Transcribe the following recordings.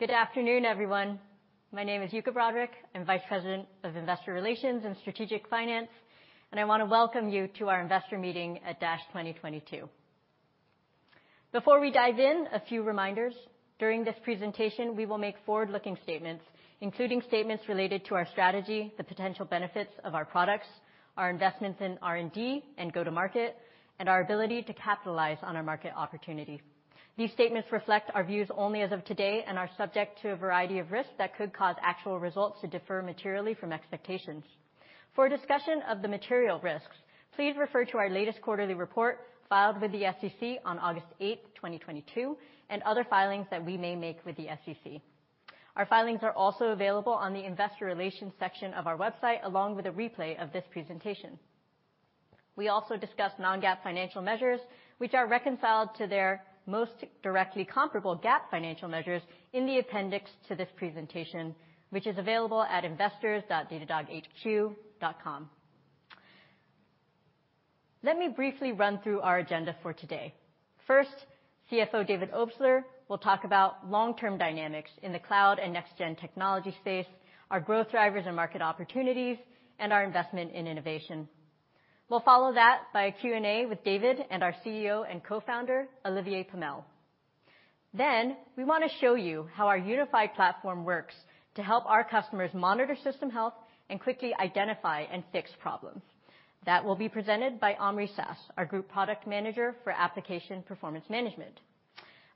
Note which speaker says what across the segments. Speaker 1: Good afternoon, everyone. My name is Yuka Broderick. I'm Vice President of Investor Relations and Strategic Finance, and I wanna welcome you to our investor meeting at Dash 2022. Before we dive in, a few reminders. During this presentation, we will make forward-looking statements, including statements related to our strategy, the potential benefits of our products, our investments in R&D and go-to market, and our ability to capitalize on our market opportunity. These statements reflect our views only as of today and are subject to a variety of risks that could cause actual results to differ materially from expectations. For a discussion of the material risks, please refer to our latest quarterly report filed with the SEC on August 8, 2022, and other filings that we may make with the SEC. Our filings are also available on the investor relations section of our website, along with a replay of this presentation. We also discuss non-GAAP financial measures, which are reconciled to their most directly comparable GAAP financial measures in the appendix to this presentation, which is available at investors.datadoghq.com. Let me briefly run through our agenda for today. First, CFO David Obstler will talk about long-term dynamics in the cloud and next gen technology space, our growth drivers and market opportunities, and our investment in innovation. We'll follow that by a Q&A with David and our CEO and co-founder, Olivier Pomel. Then we wanna show you how our unified platform works to help our customers monitor system health and quickly identify and fix problems. That will be presented by Omri Sass, our Group Product Manager for Application Performance Management.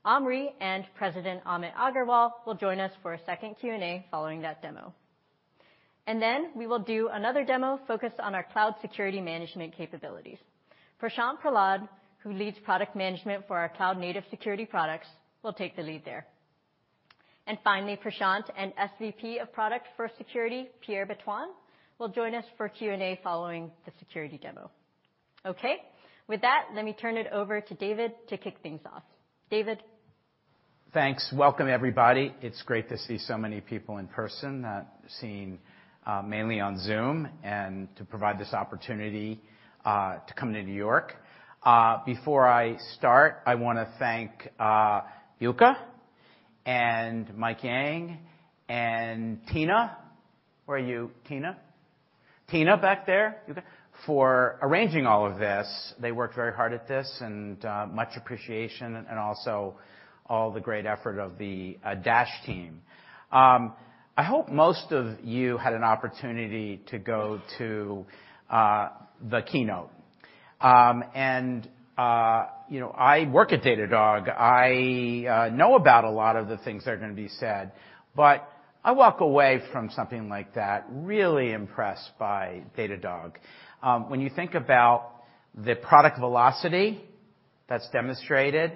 Speaker 1: Omri and President Amit Agarwal will join us for a second Q&A following that demo. We will do another demo focused on our cloud security management capabilities. Prashant Prahlad, who leads product management for our cloud-native security products, will take the lead there. Finally, Prashant and SVP of Product for Security, Pierre Betouin, will join us for Q&A following the security demo. Okay. With that, let me turn it over to David to kick things off. David?
Speaker 2: Thanks. Welcome, everybody. It's great to see so many people in person, seen mainly on Zoom, and to provide this opportunity to come to New York. Before I start, I wanna thank Yuka and Mike Yang and Tina. Where are you, Tina? Tina, back there. You there? For arranging all of this. They worked very hard at this, and much appreciation and also all the great effort of the DASH team. I hope most of you had an opportunity to go to the keynote. You know, I work at Datadog. I know about a lot of the things that are gonna be said, but I walk away from something like that really impressed by Datadog. When you think about the product velocity that's demonstrated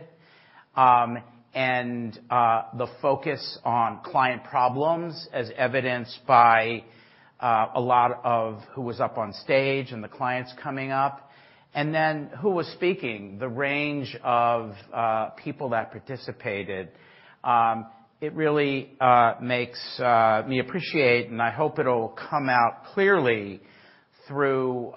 Speaker 2: and the focus on client problems as evidenced by a lot of who was up on stage and the clients coming up and then who was speaking, the range of people that participated, it really makes me appreciate, and I hope it'll come out clearly through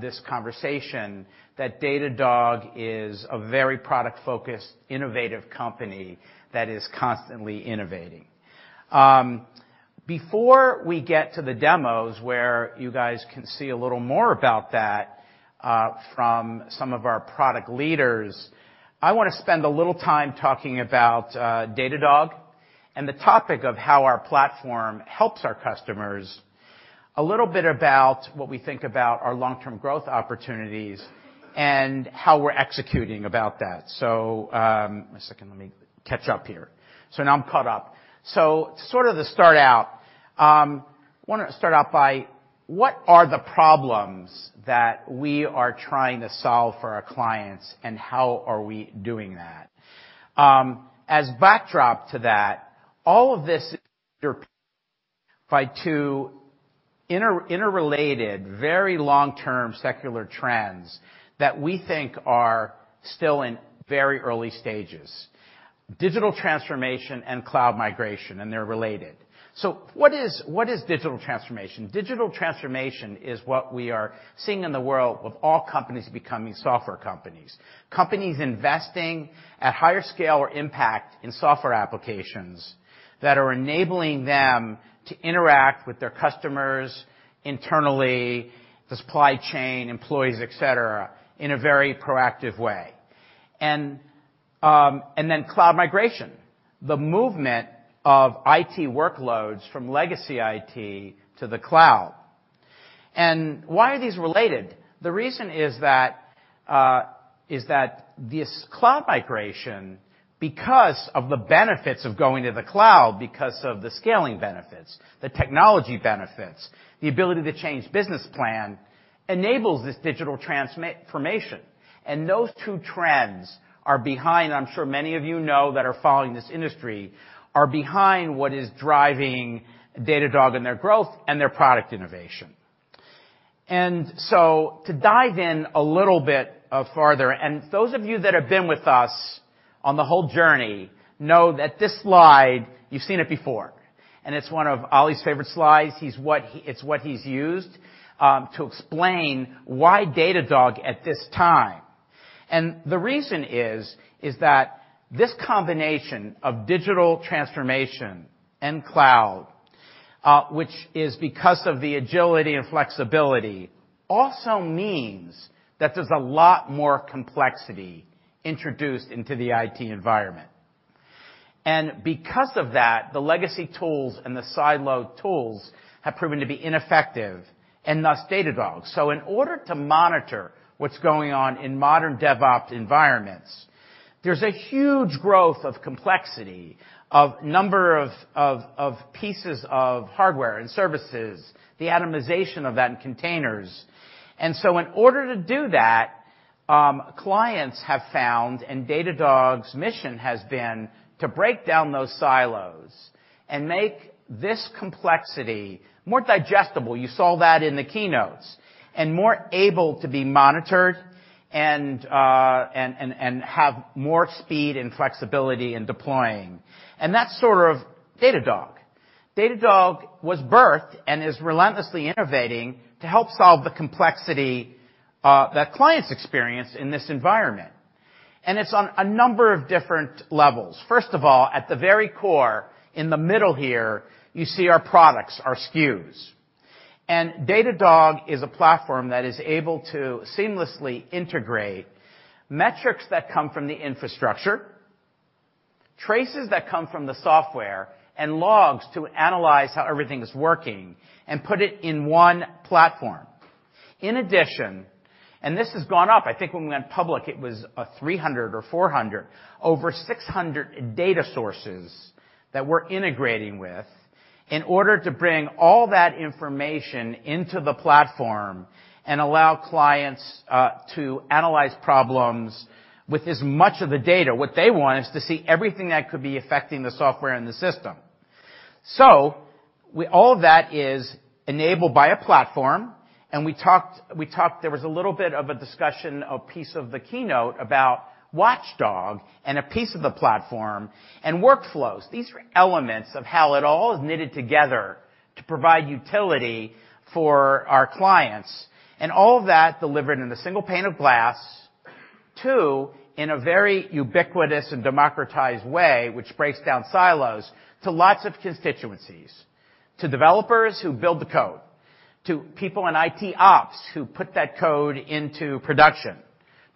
Speaker 2: this conversation that Datadog is a very product-focused, innovative company that is constantly innovating. Before we get to the demos where you guys can see a little more about that from some of our product leaders, I wanna spend a little time talking about Datadog and the topic of how our platform helps our customers, a little bit about what we think about our long-term growth opportunities and how we're executing about that. One second, let me catch up here. Now I'm caught up. Sort of to start out, wanna start out by what are the problems that we are trying to solve for our clients, and how are we doing that? As backdrop to that, all of this is driven by two interrelated, very long-term secular trends that we think are still in very early stages. Digital transformation and cloud migration, and they're related. What is digital transformation? Digital transformation is what we are seeing in the world of all companies becoming software companies. Companies investing at higher scale or impact in software applications that are enabling them to interact with their customers internally, the supply chain, employees, et cetera, in a very proactive way. Then cloud migration, the movement of IT workloads from legacy IT to the cloud. Why are these related? The reason is that this cloud migration, because of the benefits of going to the cloud, because of the scaling benefits, the technology benefits, the ability to change business plan, enables this digital transformation. Those two trends are behind, I'm sure many of you know that are following this industry, what is driving Datadog and their growth and their product innovation. To dive in a little bit farther, those of you that have been with us on the whole journey know that this slide, you've seen it before. It's one of Ali's favorite slides. It's what he's used to explain why Datadog at this time. The reason is that this combination of digital transformation and cloud, which is because of the agility and flexibility, also means that there's a lot more complexity introduced into the IT environment. Because of that, the legacy tools and the siloed tools have proven to be ineffective and thus Datadog. In order to monitor what's going on in modern DevOps environments, there's a huge growth of complexity of number of pieces of hardware and services, the atomization of that in containers. In order to do that, clients have found and Datadog's mission has been to break down those silos and make this complexity more digestible. You saw that in the keynotes. More able to be monitored and have more speed and flexibility in deploying. That's sort of Datadog. Datadog was birthed and is relentlessly innovating to help solve the complexity, that clients experience in this environment. It's on a number of different levels. First of all, at the very core, in the middle here, you see our products, our SKUs. Datadog is a platform that is able to seamlessly integrate metrics that come from the infrastructure, traces that come from the software, and logs to analyze how everything is working and put it in one platform. In addition, and this has gone up, I think when we went public, it was a 300 or 400, over 600 data sources that we're integrating with in order to bring all that information into the platform and allow clients, to analyze problems with as much of the data. What they want is to see everything that could be affecting the software and the system. All of that is enabled by a platform. We talked. There was a little bit of a discussion, a piece of the keynote about Watchdog and a piece of the platform and workflows. These are elements of how it all is knitted together to provide utility for our clients. All of that delivered in a single pane of glass. Two, in a very ubiquitous and democratized way, which breaks down silos to lots of constituencies, to developers who build the code, to people in IT ops who put that code into production,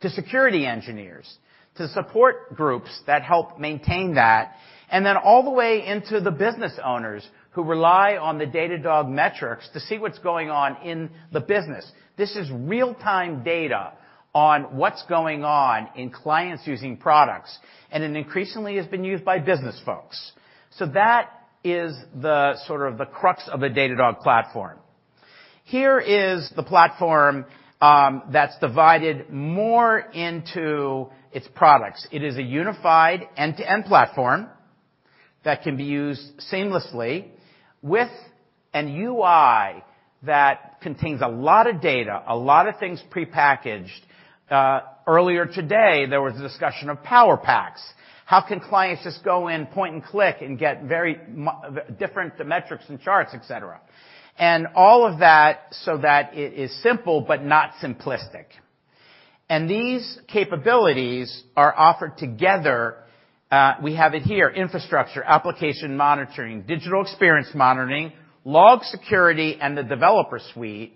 Speaker 2: to security engineers, to support groups that help maintain that, and then all the way into the business owners who rely on the Datadog metrics to see what's going on in the business. This is real-time data on what's going on in clients using products, and it increasingly has been used by business folks. That is the sort of the crux of a Datadog platform. Here is thplatform that's divided more into its products. It is a unified end-to-end platform that can be used seamlessly with an UI that contains a lot of data, a lot of things prepackaged. Earlier today, there was a discussion of Powerpacks. How can clients just go in, point and click, and get very different metrics and charts, etc. All of that, so that it is simple, but not simplistic. These capabilities are offered together. We have it here, infrastructure, application monitoring, digital experience monitoring, logs, security, and the developer suite,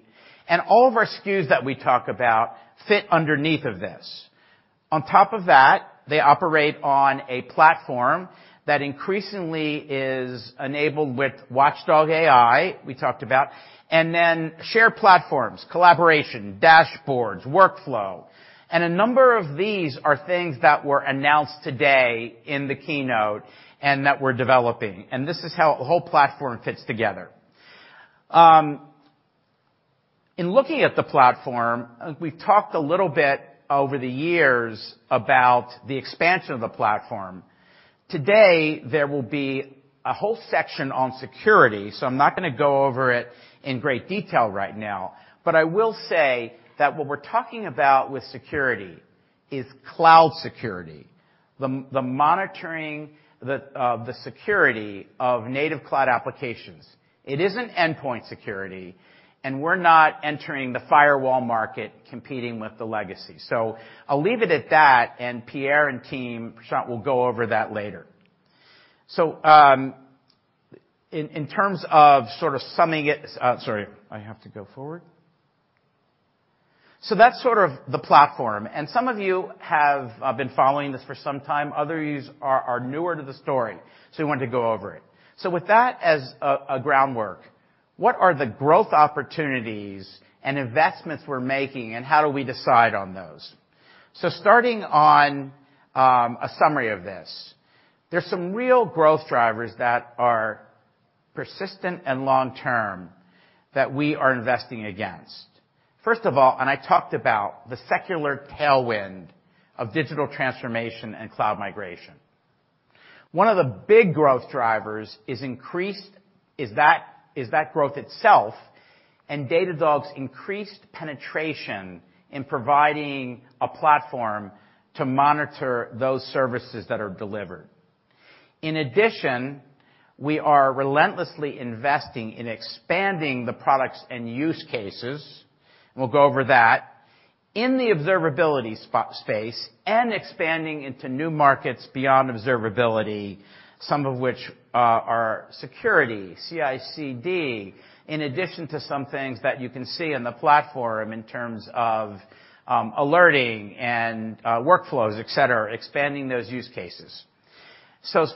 Speaker 2: and all of our SKUs that we talk about fit underneath of this. On top of that, they operate on a platform that increasingly is enabled with Watchdog AI, we talked about, and then share platforms, collaboration, dashboards, workflow. A number of these are things that were announced today in the keynote and that we're developing, and this is how the whole platform fits together. In looking at the platform, we've talked a little bit over the years about the expansion of the platform. Today, there will be a whole section on security, so I'm not gonna go over it in great detail right now. I will say that what we're talking about with security is cloud security, the monitoring of the security of cloud-native applications. It isn't endpoint security, and we're not entering the firewall market competing with the legacy. I'll leave it at that, and Pierre and team, Prashant will go over that later. In terms of sort of summing it. That's sort of the platform. Some of you have been following this for some time. Others are newer to the story, we want to go over it. With that as a groundwork, what are the growth opportunities and investments we're making, and how do we decide on those? Starting on a summary of this. There's some real growth drivers that are persistent and long-term that we are investing against. First of all, I talked about the secular tailwind of digital transformation and cloud migration. One of the big growth drivers is that growth itself and Datadog's increased penetration in providing a platform to monitor those services that are delivered. In addition, we are relentlessly investing in expanding the products and use cases, and we'll go over that, in the observability space and expanding into new markets beyond observability, some of which are security, CI/CD, in addition to some things that you can see in the platform in terms of alerting and workflows, et cetera, expanding those use cases.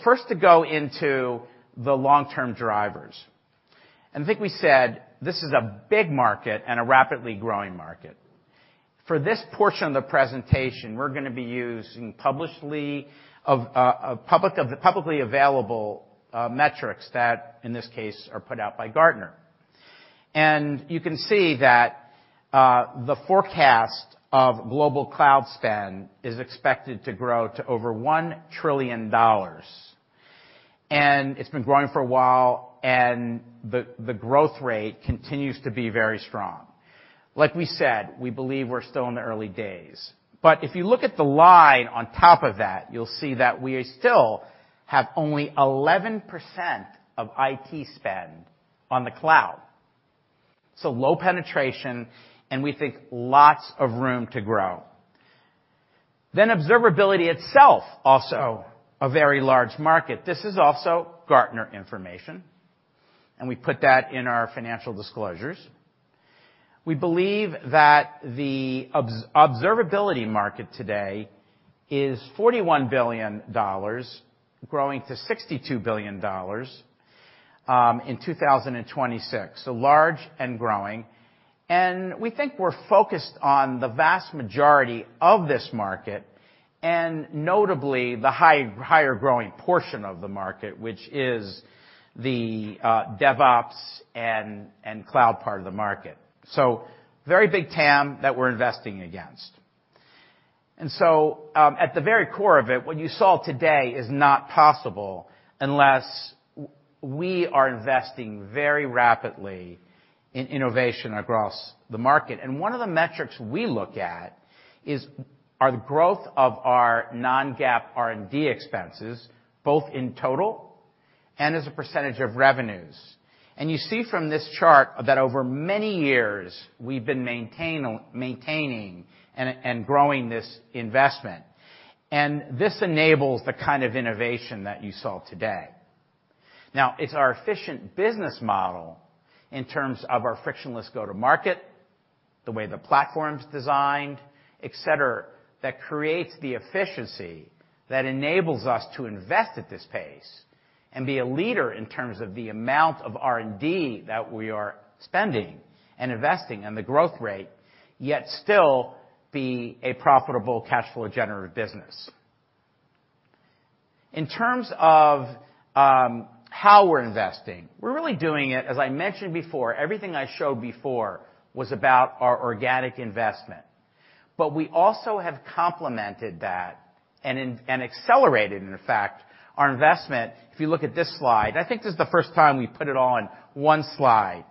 Speaker 2: First to go into the long-term drivers. I think we said this is a big market and a rapidly growing market. For this portion of the presentation, we're gonna be using publicly available metrics that, in this case, are put out by Gartner. You can see that the forecast of global cloud spend is expected to grow to over $1 trillion, and it's been growing for a while, and the growth rate continues to be very strong. Like we said, we believe we're still in the early days. If you look at the line on top of that, you'll see that we still have only 11% of IT spend on the cloud. Low penetration, and we think lots of room to grow. Observability itself, also a very large market. This is also Gartner information, and we put that in our financial disclosures. We believe that the observability market today is $41 billion growing to $62 billion in 2026. Large and growing. We think we're focused on the vast majority of this market and notably the higher growing portion of the market, which is the DevOps and cloud part of the market. Very big TAM that we're investing against. At the very core of it, what you saw today is not possible unless we are investing very rapidly in innovation across the market. One of the metrics we look at is the growth of our non-GAAP R&D expenses, both in total and as a percentage of revenues. You see from this chart that over many years, we've been maintaining and growing this investment. This enables the kind of innovation that you saw today. Now, it's our efficient business model in terms of our frictionless go-to-market, the way the platform's designed, et cetera, that creates the efficiency that enables us to invest at this pace and be a leader in terms of the amount of R&D that we are spending and investing and the growth rate, yet still be a profitable cash flow generative business. In terms of how we're investing, we're really doing it, as I mentioned before, everything I showed before was about our organic investment. But we also have complemented that and accelerated, in fact, our investment. If you look at this slide, and I think this is the first time we've put it all on one slide,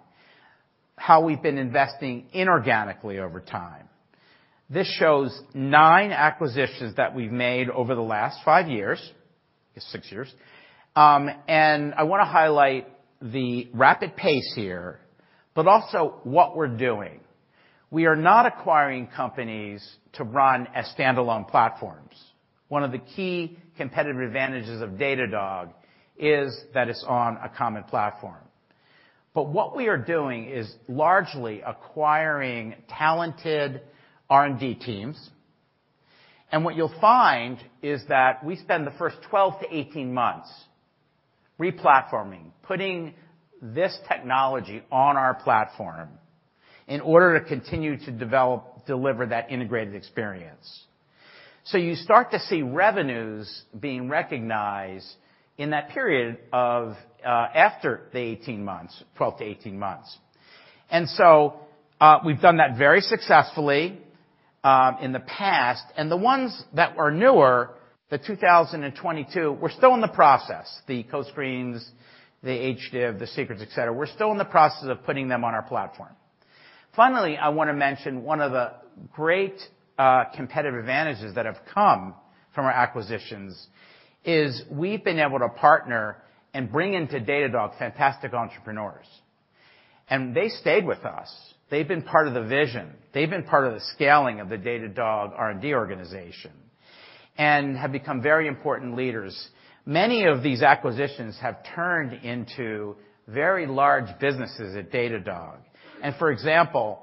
Speaker 2: how we've been investing inorganically over time. This shows nine acquisitions that we've made over the last five years. It's six years. I wanna highlight the rapid pace here, but also what we're doing. We are not acquiring companies to run as standalone platforms. One of the key competitive advantages of Datadog is that it's on a common platform. What we are doing is largely acquiring talented R&D teams. What you'll find is that we spend the first 12 to 18 months replatforming, putting this technology on our platform in order to continue to develop, deliver that integrated experience. You start to see revenues being recognized in that period of after the 18 months, 12 to 18 months. We've done that very successfully in the past. The ones that are newer, the 2022, we're still in the process. The CoScreen, the Hdiv Security, the Seekret, et cetera, we're still in the process of putting them on our platform. Finally, I wanna mention one of the great competitive advantages that have come from our acquisitions is we've been able to partner and bring into Datadog fantastic entrepreneurs. They stayed with us. They've been part of the vision. They've been part of the scaling of the Datadog R&D organization and have become very important leaders. Many of these acquisitions have turned into very large businesses at Datadog. For example,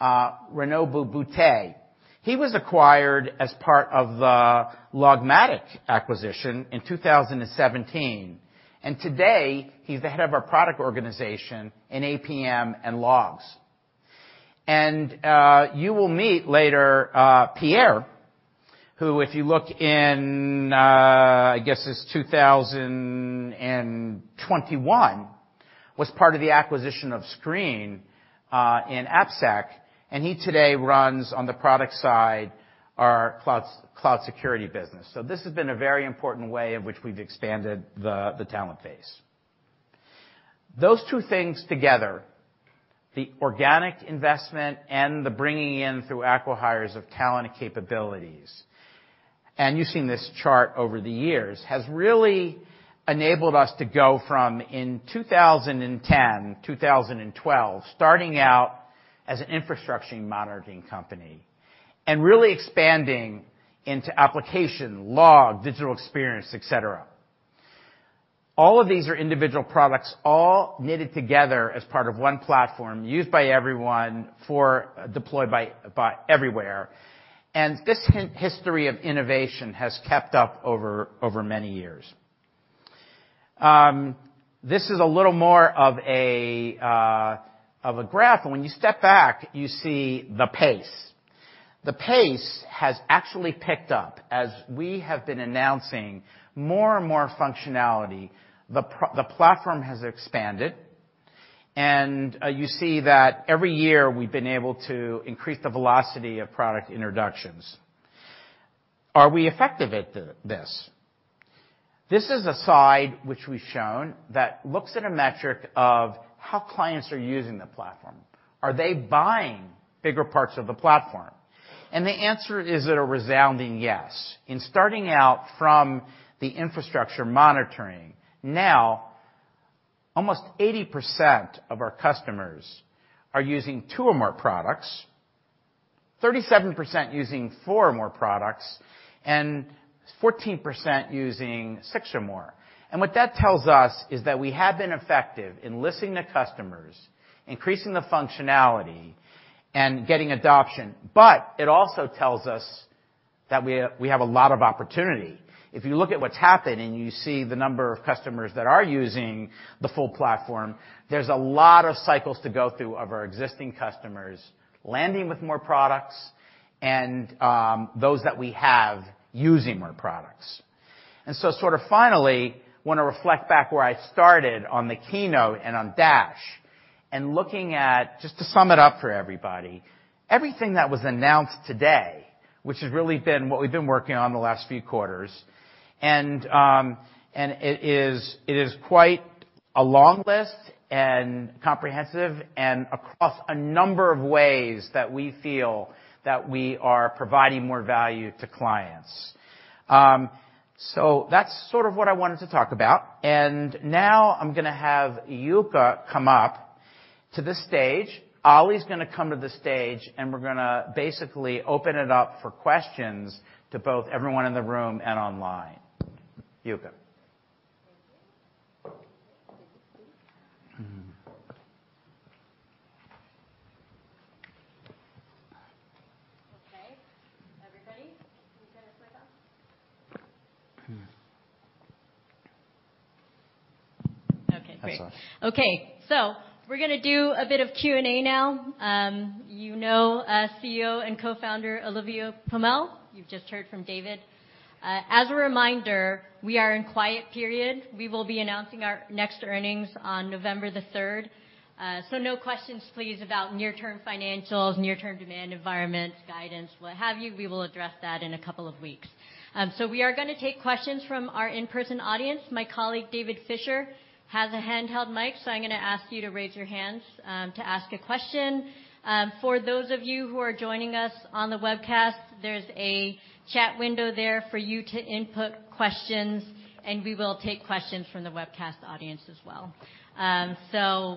Speaker 2: Renaud Boutet. He was acquired as part of the Logmatic acquisition in 2017, and today he's the head of our product organization in APM and Logs. You will meet later Pierre, who, if you look in, I guess it's 2021, was part of the acquisition of Sqreen in AppSec, and he today runs on the product side our cloud security business. This has been a very important way in which we've expanded the talent base. Those two things together, the organic investment and the bringing in through acquihires of talent and capabilities, and you've seen this chart over the years, has really enabled us to go from in 2010, 2012, starting out as an infrastructure and monitoring company, and really expanding into application, log, digital experience, etc. All of these are individual products all knitted together as part of one platform used by everyone, deployed by everywhere. This history of innovation has kept up over many years. This is a little more of a graph, and when you step back, you see the pace. The pace has actually picked up. As we have been announcing more and more functionality, the platform has expanded, and you see that every year we've been able to increase the velocity of product introductions. Are we effective at this? This is a slide which we've shown that looks at a metric of how clients are using the platform. Are they buying bigger parts of the platform? The answer is a resounding yes. Starting out from the Infrastructure Monitoring, now almost 80% of our customers are using two or more products, 37% using four or more products, and 14% using six or more. What that tells us is that we have been effective in listening to customers, increasing the functionality, and getting adoption. It also tells us that we have a lot of opportunity. If you look at what's happened and you see the number of customers that are using the full platform, there's a lot of cycles to go through of our existing customers landing with more products and those that we have using more products. Finally, I want to reflect back where I started on the keynote and on Dash, looking at just to sum it up for everybody, everything that was announced today, which has really been what we've been working on the last few quarters, and it is quite a long list and comprehensive and across a number of ways that we feel that we are providing more value to clients. That's sort of what I wanted to talk about. Now I'm gonna have Yuka come up to the stage. Oli's gonna come to the stage, and we're gonna basically open it up for questions to both everyone in the room and online. Yuka.
Speaker 1: Thank you. Can you see?
Speaker 2: Mm-hmm.
Speaker 1: Okay. Everybody, can you hear this mic on?
Speaker 2: Mm-hmm.
Speaker 1: Okay, great.
Speaker 2: That's on.
Speaker 1: Okay, we're gonna do a bit of Q&A now. You know our CEO and co-founder, Olivier Pomel. You've just heard from David. As a reminder, we are in quiet period. We will be announcing our next earnings on November the third. No questions, please, about near-term financials, near-term demand environments, guidance, what have you. We will address that in a couple of weeks. We are gonna take questions from our in-person audience. My colleague, David Fisher, has a handheld mic, so I'm gonna ask you to raise your hands, to ask a question. For those of you who are joining us on the webcast, there's a chat window there for you to input questions, and we will take questions from the webcast audience as well.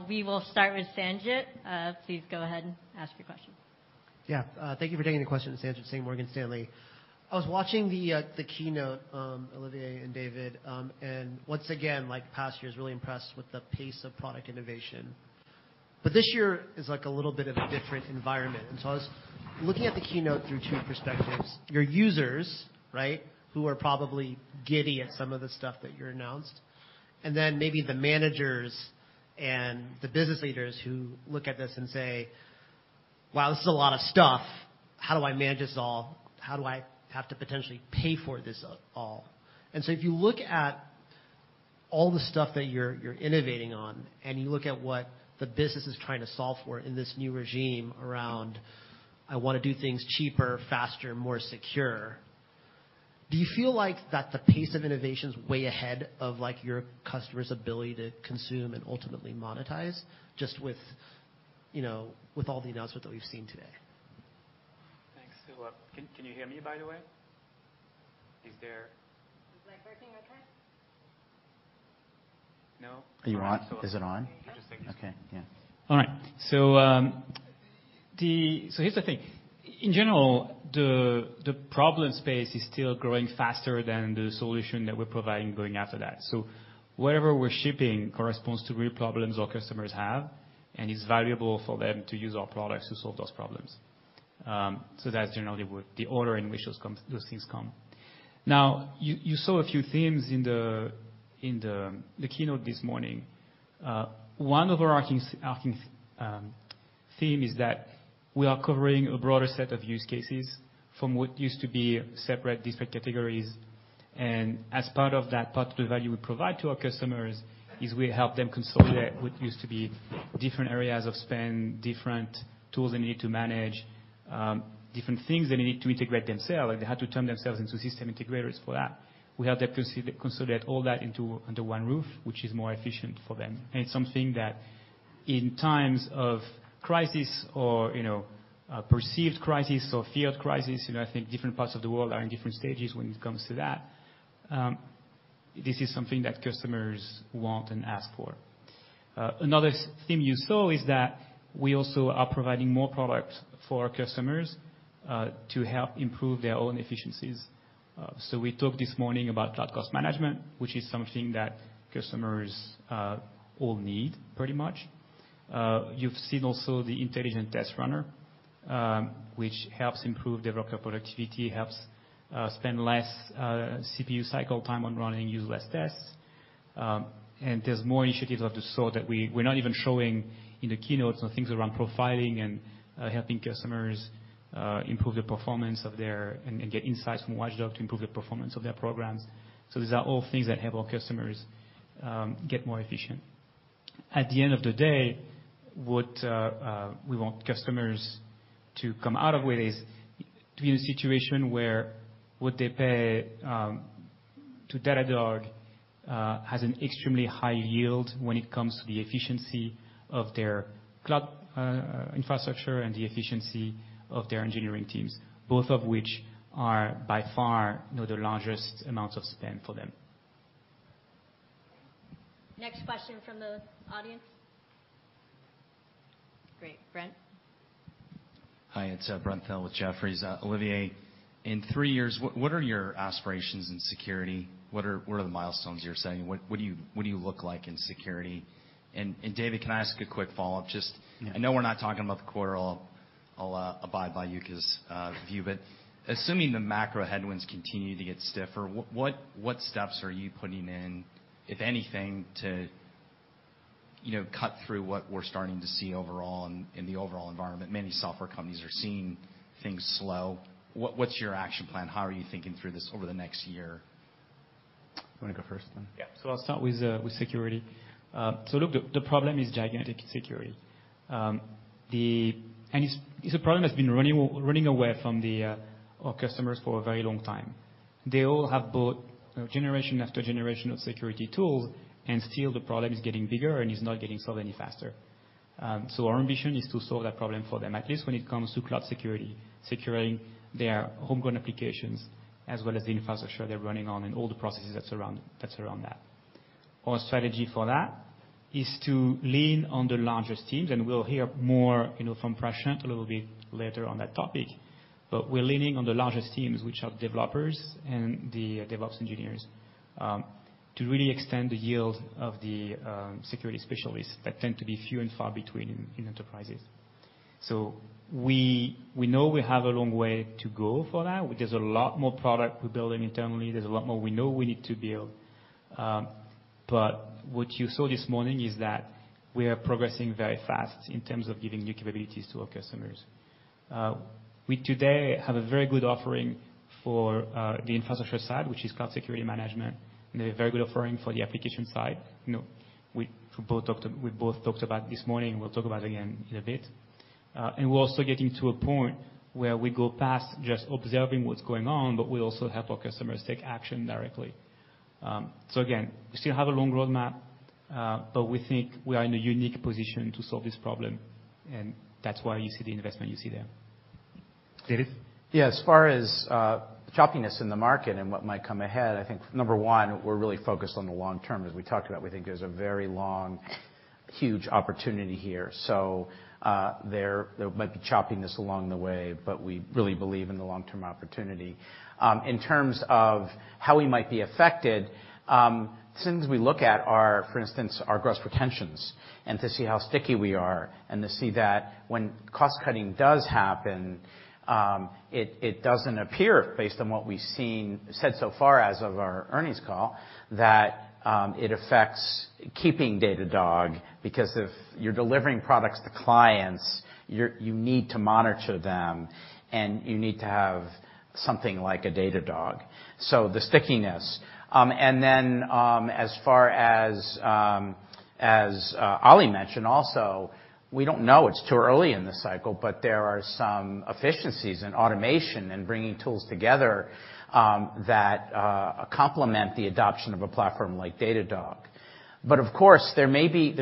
Speaker 1: We will start with Sanjit. Please go ahead and ask your question.
Speaker 3: Yeah. Thank you for taking the question. Sanjit Singh, Morgan Stanley. I was watching the keynote, Olivier and David, and once again, like past years, really impressed with the pace of product innovation. But this year is, like, a little bit of a different environment. I was looking at the keynote through two perspectives. Your users, right, who are probably giddy at some of the stuff that you announced, and then maybe the managers and the business leaders who look at this and say, "Wow, this is a lot of stuff. How do I manage this all? How do I have to potentially pay for all this?" If you look at all the stuff that you're innovating on, and you look at what the business is trying to solve for in this new regime around, I wanna do things cheaper, faster, more secure, do you feel like that the pace of innovation's way ahead of, like, your customers' ability to consume and ultimately monetize just with, you know, with all the announcements that we've seen today?
Speaker 4: Thanks. Can you hear me by the way?
Speaker 1: Is the mic working okay?
Speaker 4: No.
Speaker 2: Are you on? Is it on?
Speaker 4: Just taking this.
Speaker 2: Okay. Yeah.
Speaker 4: All right. Here's the thing. In general, the problem space is still growing faster than the solution that we're providing going after that. Whatever we're shipping corresponds to real problems our customers have and is valuable for them to use our products to solve those problems. That's generally what the order in which those things come. Now, you saw a few themes in the keynote this morning. One overarching theme is that we are covering a broader set of use cases from what used to be separate, distinct categories. As part of that particular value we provide to our customers is we help them consolidate what used to be different areas of spend, different tools they need to manage, different things they need to integrate themselves. Like, they had to turn themselves into system integrators for that. We help them consolidate all that into under one roof, which is more efficient for them, and it's something that in times of crisis or, you know, a perceived crisis or feared crisis, you know, I think different parts of the world are in different stages when it comes to that. This is something that customers want and ask for. Another thing you saw is that we also are providing more product for our customers to help improve their own efficiencies. We talked this morning about Cloud Cost Management, which is something that customers all need pretty much. You've seen also the Intelligent Test Runner, which helps improve developer productivity, helps spend less CPU cycle time on running, use less tests. There's more initiatives of the sort that we're not even showing in the keynotes on things around profiling and helping customers get insights from Watchdog to improve the performance of their programs. These are all things that help our customers get more efficient. At the end of the day, what we want customers to come out of with is to be in a situation where what they pay to Datadog has an extremely high yield when it comes to the efficiency of their cloud infrastructure and the efficiency of their engineering teams, both of which are by far, you know, the largest amounts of spend for them.
Speaker 1: Next question from the audience. Great. Brent?
Speaker 5: Hi, it's Brent Thill with Jefferies. Olivier, in three years, what are your aspirations in security? What are the milestones you're setting? What do you look like in security? And David, can I ask a quick follow-up?
Speaker 4: Yeah.
Speaker 5: I know we're not talking about the quarter. I'll abide by Yuka's view, but assuming the macro headwinds continue to get stiffer, what steps are you putting in, if anything, to, you know, cut through what we're starting to see overall in the overall environment? Many software companies are seeing things slow. What's your action plan? How are you thinking through this over the next year?
Speaker 4: You wanna go first then? Yeah. I'll start with security. Look, the problem is gigantic in security. It's a problem that's been running away from our customers for a very long time. They all have bought, you know, generation after generation of security tools, and still the problem is getting bigger and is not getting solved any faster. Our ambition is to solve that problem for them, at least when it comes to cloud security, securing their homegrown applications, as well as the infrastructure they're running on and all the processes that surround that. Our strategy for that is to lean on the largest teams, and we'll hear more, you know, from Prashant a little bit later on that topic. We're leaning on the largest teams, which are developers and the DevOps engineers, to really extend the yield of the security specialists that tend to be few and far between in enterprises. We know we have a long way to go for that. There's a lot more product we're building internally. There's a lot more we know we need to build. What you saw this morning is that we are progressing very fast in terms of giving new capabilities to our customers. We today have a very good offering for the infrastructure side, which is Cloud Security Management, and a very good offering for the application side. You know, we both talked about this morning, we'll talk about again in a bit. We're also getting to a point where we go past just observing what's going on, but we also help our customers take action directly. Again, we still have a long roadmap, but we think we are in a unique position to solve this problem, and that's why you see the investment you see there. David?
Speaker 2: Yeah, as far as choppiness in the market and what might come ahead, I think number one, we're really focused on the long term, as we talked about. We think there's a very long, huge opportunity here. There might be choppiness along the way, but we really believe in the long-term opportunity. In terms of how we might be affected, the things we look at are, for instance, our gross retentions, and to see how sticky we are, and to see that when cost-cutting does happen, it doesn't appear based on what we've said so far as of our earnings call, that it affects keeping Datadog, because if you're delivering products to clients, you need to monitor them, and you need to have something like a Datadog. The stickiness. As far as Oli mentioned also, we don't know, it's too early in the cycle, but there are some efficiencies in automation and bringing tools together that complement the adoption of a platform like Datadog. Of course, there may be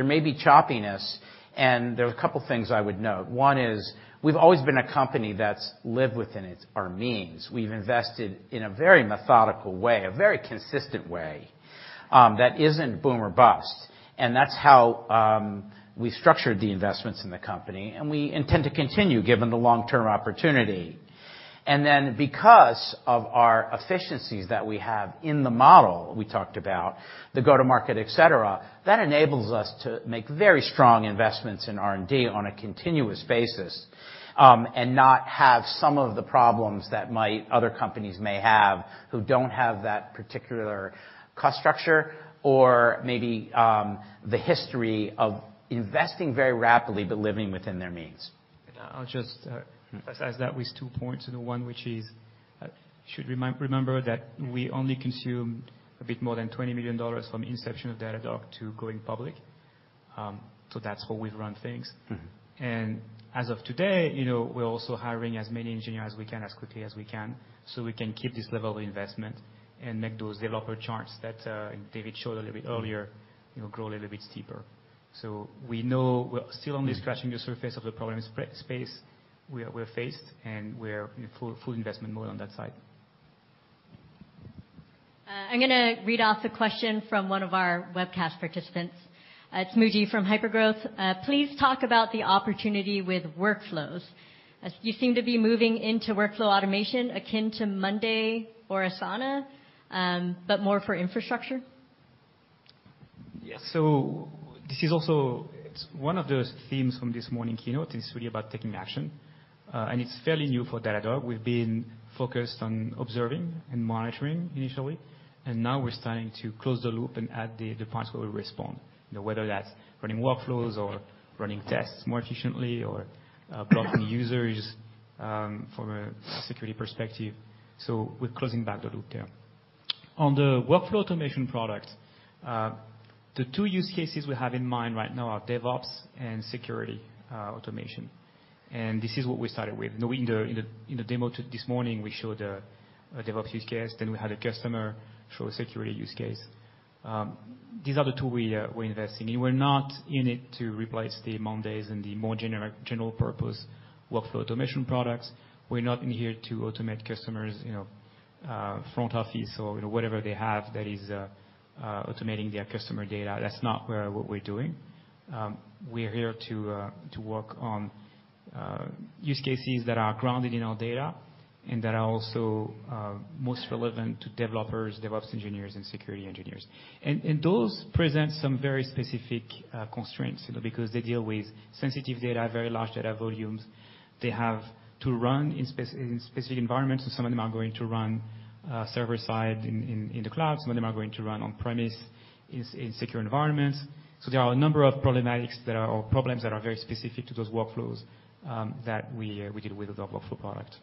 Speaker 2: choppiness, and there are a couple things I would note. One is we've always been a company that's lived within its, our means. We've invested in a very methodical way, a very consistent way that isn't boom or bust. That's how we structured the investments in the company, and we intend to continue given the long-term opportunity. Because of our efficiencies that we have in the model we talked about, the go-to-market, et cetera, that enables us to make very strong investments in R&D on a continuous basis, and not have some of the problems that other companies may have who don't have that particular cost structure or maybe the history of investing very rapidly but living within their means.
Speaker 4: I'll just add that with two points, you know, one which is, should remember that we only consumed a bit more than $20 million from the inception of Datadog to going public. So that's how we've run things.
Speaker 2: Mm-hmm.
Speaker 4: As of today, you know, we're also hiring as many engineers as we can, as quickly as we can, so we can keep this level of investment and make those developer charts that David showed a little bit earlier, you know, grow a little bit steeper. We know we're still only scratching the surface of the problem space we're faced, and we're in full investment mode on that side.
Speaker 1: I'm gonna read off a question from one of our webcast participants. It's Muji from Hypergrowth. Please talk about the opportunity with workflows. As you seem to be moving into workflow automation akin to Monday or Asana, but more for infrastructure.
Speaker 4: Yeah. This is also. It's one of those themes from this morning keynote is really about taking action. It's fairly new for Datadog. We've been focused on observing and monitoring initially, and now we're starting to close the loop and add the parts where we respond. You know, whether that's running workflows or running tests more efficiently or, blocking users, from a security perspective. We're closing back the loop there. On the workflow automation product, the two use cases we have in mind right now are DevOps and security, automation. This is what we started with. You know, in the demo this morning we showed a DevOps use case, then we had a customer show a security use case. These are the two we're investing in. We're not in it to replace the monday.com and the more general purpose workflow automation products. We're not in here to automate customers, you know, front office or, you know, whatever they have that is automating their customer data. That's not what we're doing. We are here to work on use cases that are grounded in our data and that are also most relevant to developers, DevOps engineers, and security engineers. Those present some very specific constraints, you know, because they deal with sensitive data, very large data volumes. They have to run in specific environments, so some of them are going to run server side in the cloud. Some of them are going to run on-premise in secure environments. There are a number of problems that are very specific to those workflows that we deal with our workflow product.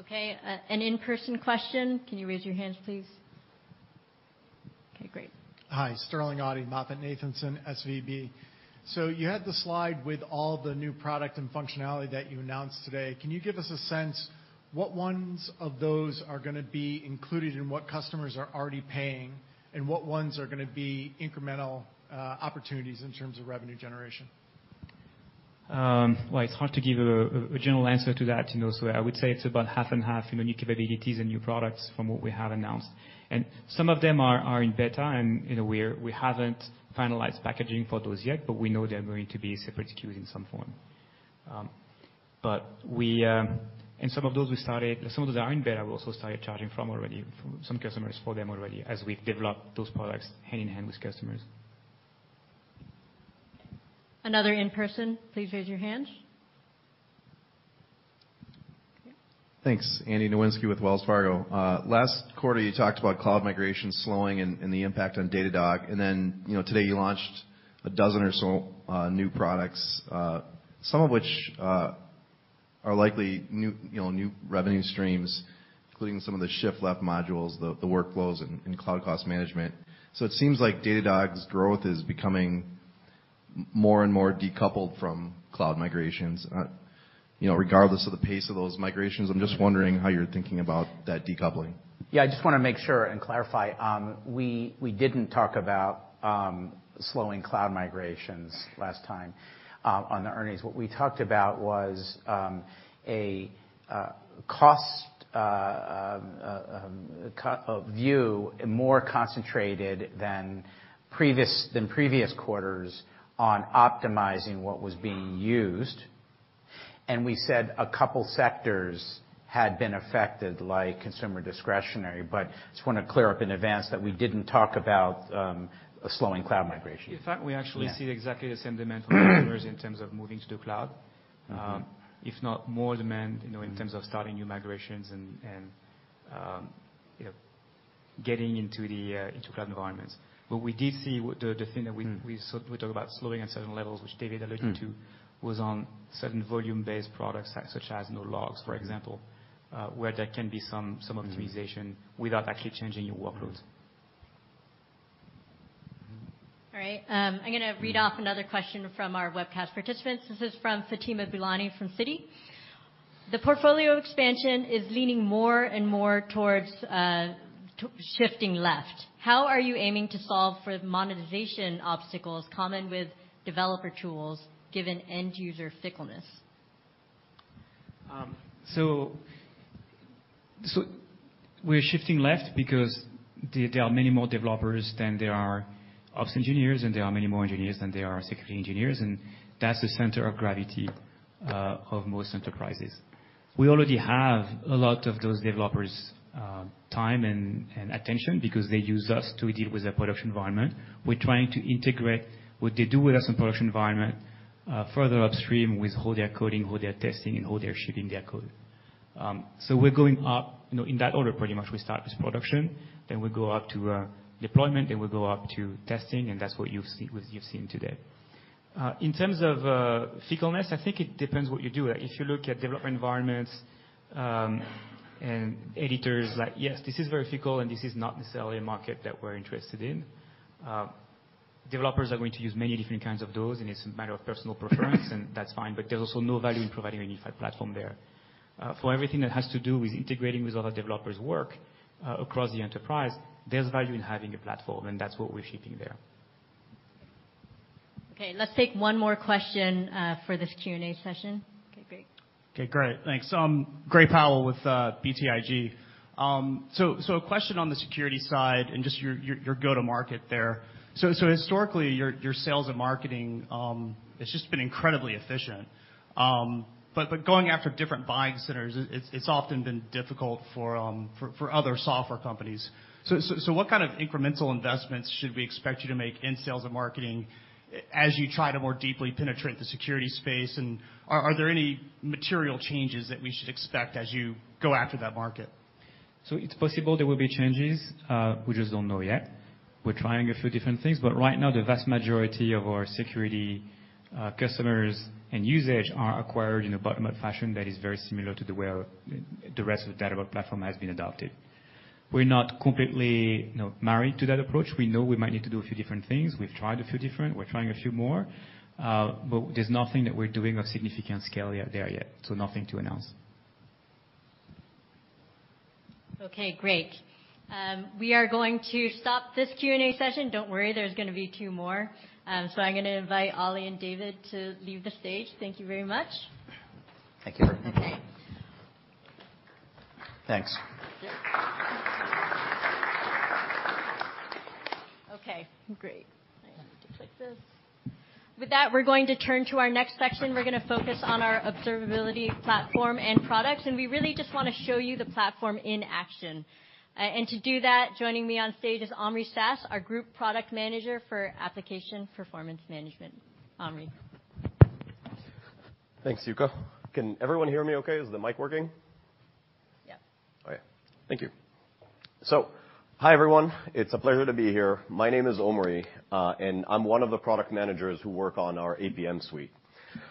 Speaker 1: Okay. An in-person question. Can you raise your hand, please? Okay, great.
Speaker 6: Hi. Sterling Auty, MoffettNathanson, SVB. You had the slide with all the new product and functionality that you announced today. Can you give us a sense what ones of those are gonna be included in what customers are already paying, and what ones are gonna be incremental, opportunities in terms of revenue generation?
Speaker 4: Well, it's hard to give a general answer to that, you know, so I would say it's about half and half, you know, new capabilities and new products from what we have announced. Some of them are in beta, and you know, we haven't finalized packaging for those yet, but we know they're going to be separate SKUs in some form. Some of those are in beta. We also started charging some customers for them already as we've developed those products hand-in-hand with customers.
Speaker 1: Another in-person, please raise your hand. Yeah.
Speaker 7: Thanks. Andy Nowinski with Wells Fargo. Last quarter, you talked about cloud migration slowing and the impact on Datadog. Then, you know, today you launched a dozen or so new products, some of which are likely new, you know, new revenue streams, including some of the shift left modules, the workflows and cloud cost management. It seems like Datadog's growth is becoming more and more decoupled from cloud migrations. You know, regardless of the pace of those migrations, I'm just wondering how you're thinking about that decoupling.
Speaker 2: Yeah, I just wanna make sure and clarify. We didn't talk about slowing cloud migrations last time on the earnings. What we talked about was a view more concentrated than previous quarters on optimizing what was being used. We said a couple sectors had been affected, like consumer discretionary. Just wanna clear up in advance that we didn't talk about a slowing cloud migration.
Speaker 4: In fact, we actually.
Speaker 2: Yeah.
Speaker 4: See exactly the same demand from customers in terms of moving to the cloud.
Speaker 2: Mm-hmm.
Speaker 4: If not more demand, you know.
Speaker 2: Mm-hmm.
Speaker 4: in terms of starting new migrations and you know getting into the cloud environments. We did see with the thing that we-
Speaker 2: Mm.
Speaker 4: We talk about slowing at certain levels, which David alluded to.
Speaker 2: Mm.
Speaker 4: was on certain volume-based products, such as no logs, for example, where there can be some.
Speaker 2: Mm-hmm.
Speaker 4: some optimization without actually changing your workloads.
Speaker 2: Mm-hmm.
Speaker 1: All right, I'm gonna read off another question from our webcast participants. This is from Fatima Boolani from Citi. The portfolio expansion is leaning more and more towards to shifting left. How are you aiming to solve for monetization obstacles common with developer tools given end user fickleness?
Speaker 4: We're shifting left because there are many more developers than there are ops engineers, and there are many more engineers than there are security engineers, and that's the center of gravity of most enterprises. We already have a lot of those developers' time and attention because they use us to deal with their production environment. We're trying to integrate what they do with us in production environment further upstream with how they're coding, how they're testing, and how they're shipping their code. We're going up, you know, in that order, pretty much. We start with production, then we go up to deployment, then we go up to testing, and that's what you've seen today. In terms of fickleness, I think it depends what you do. Like, if you look at developer environments, and editors, like yes, this is very fickle, and this is not necessarily a market that we're interested in. Developers are going to use many different kinds of those, and it's a matter of personal preference, and that's fine, but there's also no value in providing a unified platform there. For everything that has to do with integrating with other developers' work across the enterprise, there's value in having a platform, and that's what we're shipping there.
Speaker 1: Okay. Let's take one more question for this Q&A session. Okay, great.
Speaker 8: Okay, great. Thanks. Gray Powell with BTIG. A question on the security side and just your go-to market there. What kind of incremental investments should we expect you to make in sales and marketing as you try to more deeply penetrate the security space? And are there any material changes that we should expect as you go after that market?
Speaker 4: It's possible there will be changes. We just don't know yet. We're trying a few different things, but right now the vast majority of our security customers and usage are acquired in a bottom-up fashion that is very similar to the way the rest of the Datadog platform has been adopted. We're not completely, you know, married to that approach. We know we might need to do a few different things. We've tried a few different. We're trying a few more. But there's nothing that we're doing of significant scale yet, so nothing to announce.
Speaker 1: Okay, great. We are going to stop this Q&A session. Don't worry. There's gonna be two more. I'm gonna invite Ali and David to leave the stage. Thank you very much.
Speaker 4: Thank you.
Speaker 9: Thanks.
Speaker 1: Okay, great. I need to click this. With that, we're going to turn to our next section. We're gonna focus on our observability platform and products, and we really just wanna show you the platform in action. To do that, joining me on stage is Omri Sass, our group product manager for Application Performance Management. Omri.
Speaker 9: Thanks, Yuka. Can everyone hear me okay? Is the mic working?
Speaker 1: Yeah.
Speaker 9: All right. Thank you. Hi, everyone. It's a pleasure to be here. My name is Omri, and I'm one of the product managers who work on our APM suite.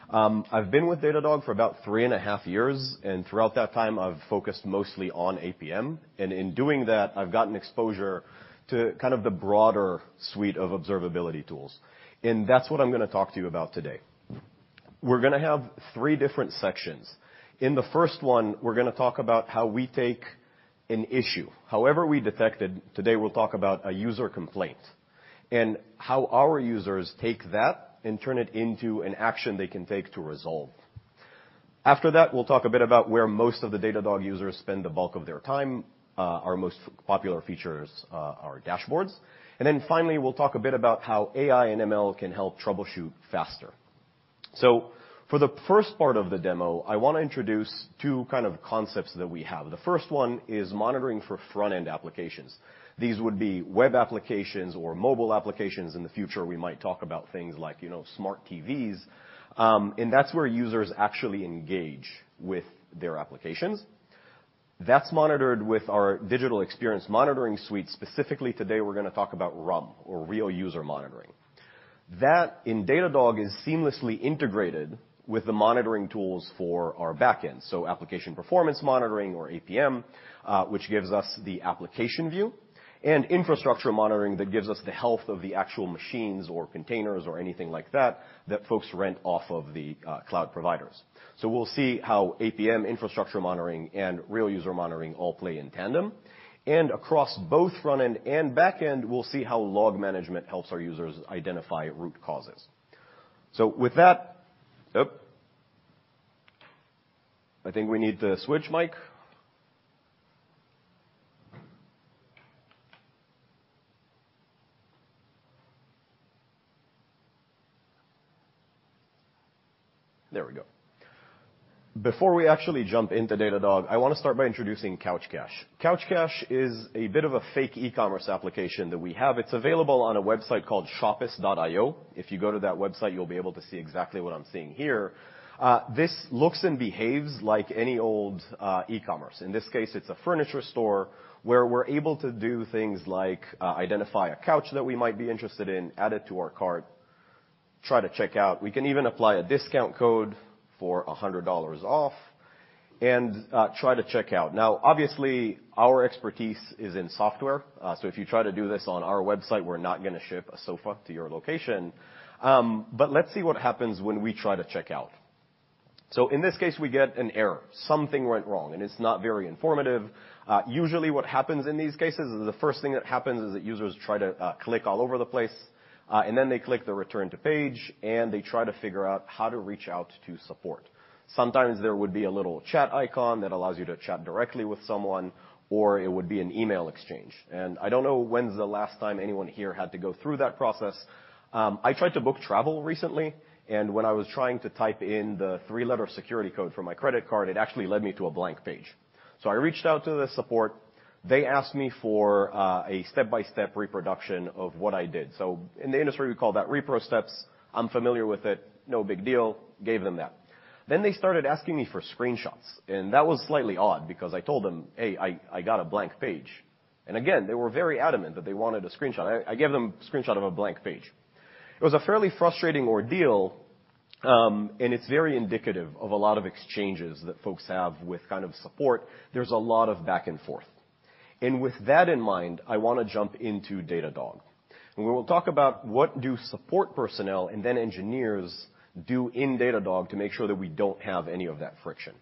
Speaker 9: I've been with Datadog for about three and a half years, and throughout that time I've focused mostly on APM, and in doing that, I've gotten exposure to kind of the broader suite of observability tools. That's what I'm gonna talk to you about today. We're gonna have three different sections. In the first one, we're gonna talk about how we take an issue, however we detect it. Today we'll talk about a user complaint, and how our users take that and turn it into an action they can take to resolve. After that, we'll talk a bit about where most of the Datadog users spend the bulk of their time. Our most popular features are dashboards. Then finally, we'll talk a bit about how AI and ML can help troubleshoot faster. For the first part of the demo, I wanna introduce two kind of concepts that we have. The first one is monitoring for front-end applications. These would be web applications or mobile applications. In the future, we might talk about things like, you know, smart TVs. That's where users actually engage with their applications. That's monitored with our Digital Experience Monitoring suite. Specifically today, we're gonna talk about RUM or Real User Monitoring. That in Datadog is seamlessly integrated with the monitoring tools for our back-end, so application performance monitoring or APM, which gives us the application view and infrastructure monitoring that gives us the health of the actual machines or containers or anything like that folks rent off of the cloud providers. We'll see how APM infrastructure monitoring and real user monitoring all play in tandem. Across both front-end and back-end, we'll see how log management helps our users identify root causes. I think we need to switch mic. There we go. Before we actually jump into Datadog, I wanna start by introducing Shopist. Shopist is a bit of a fake e-commerce application that we have. It's available on a website called shopist.io. If you go to that website, you'll be able to see exactly what I'm seeing here. This looks and behaves like any old e-commerce. In this case, it's a furniture store where we're able to do things like identify a couch that we might be interested in, add it to our cart, try to check out. We can even apply a discount code for $100 off and try to check out. Now, obviously, our expertise is in software, so if you try to do this on our website, we're not gonna ship a sofa to your location. But let's see what happens when we try to check out. In this case, we get an error. Something went wrong, and it's not very informative. Usually what happens in these cases is the first thing that happens is that users try to click all over the place, and then they click the Return to page, and they try to figure out how to reach out to support. Sometimes there would be a little chat icon that allows you to chat directly with someone, or it would be an email exchange. I don't know when's the last time anyone here had to go through that process. I tried to book travel recently, and when I was trying to type in the three-letter security code for my credit card, it actually led me to a blank page. I reached out to the support. They asked me for a step-by-step reproduction of what I did. In the industry, we call that repro steps. I'm familiar with it, no big deal. Gave them that. They started asking me for screenshots, and that was slightly odd because I told them, "Hey, I got a blank page." Again, they were very adamant that they wanted a screenshot. I gave them a screenshot of a blank page. It was a fairly frustrating ordeal, and it's very indicative of a lot of exchanges that folks have with kind of support. There's a lot of back and forth. With that in mind, I wanna jump into Datadog, and we will talk about what support personnel and then engineers do in Datadog to make sure that we don't have any of that friction.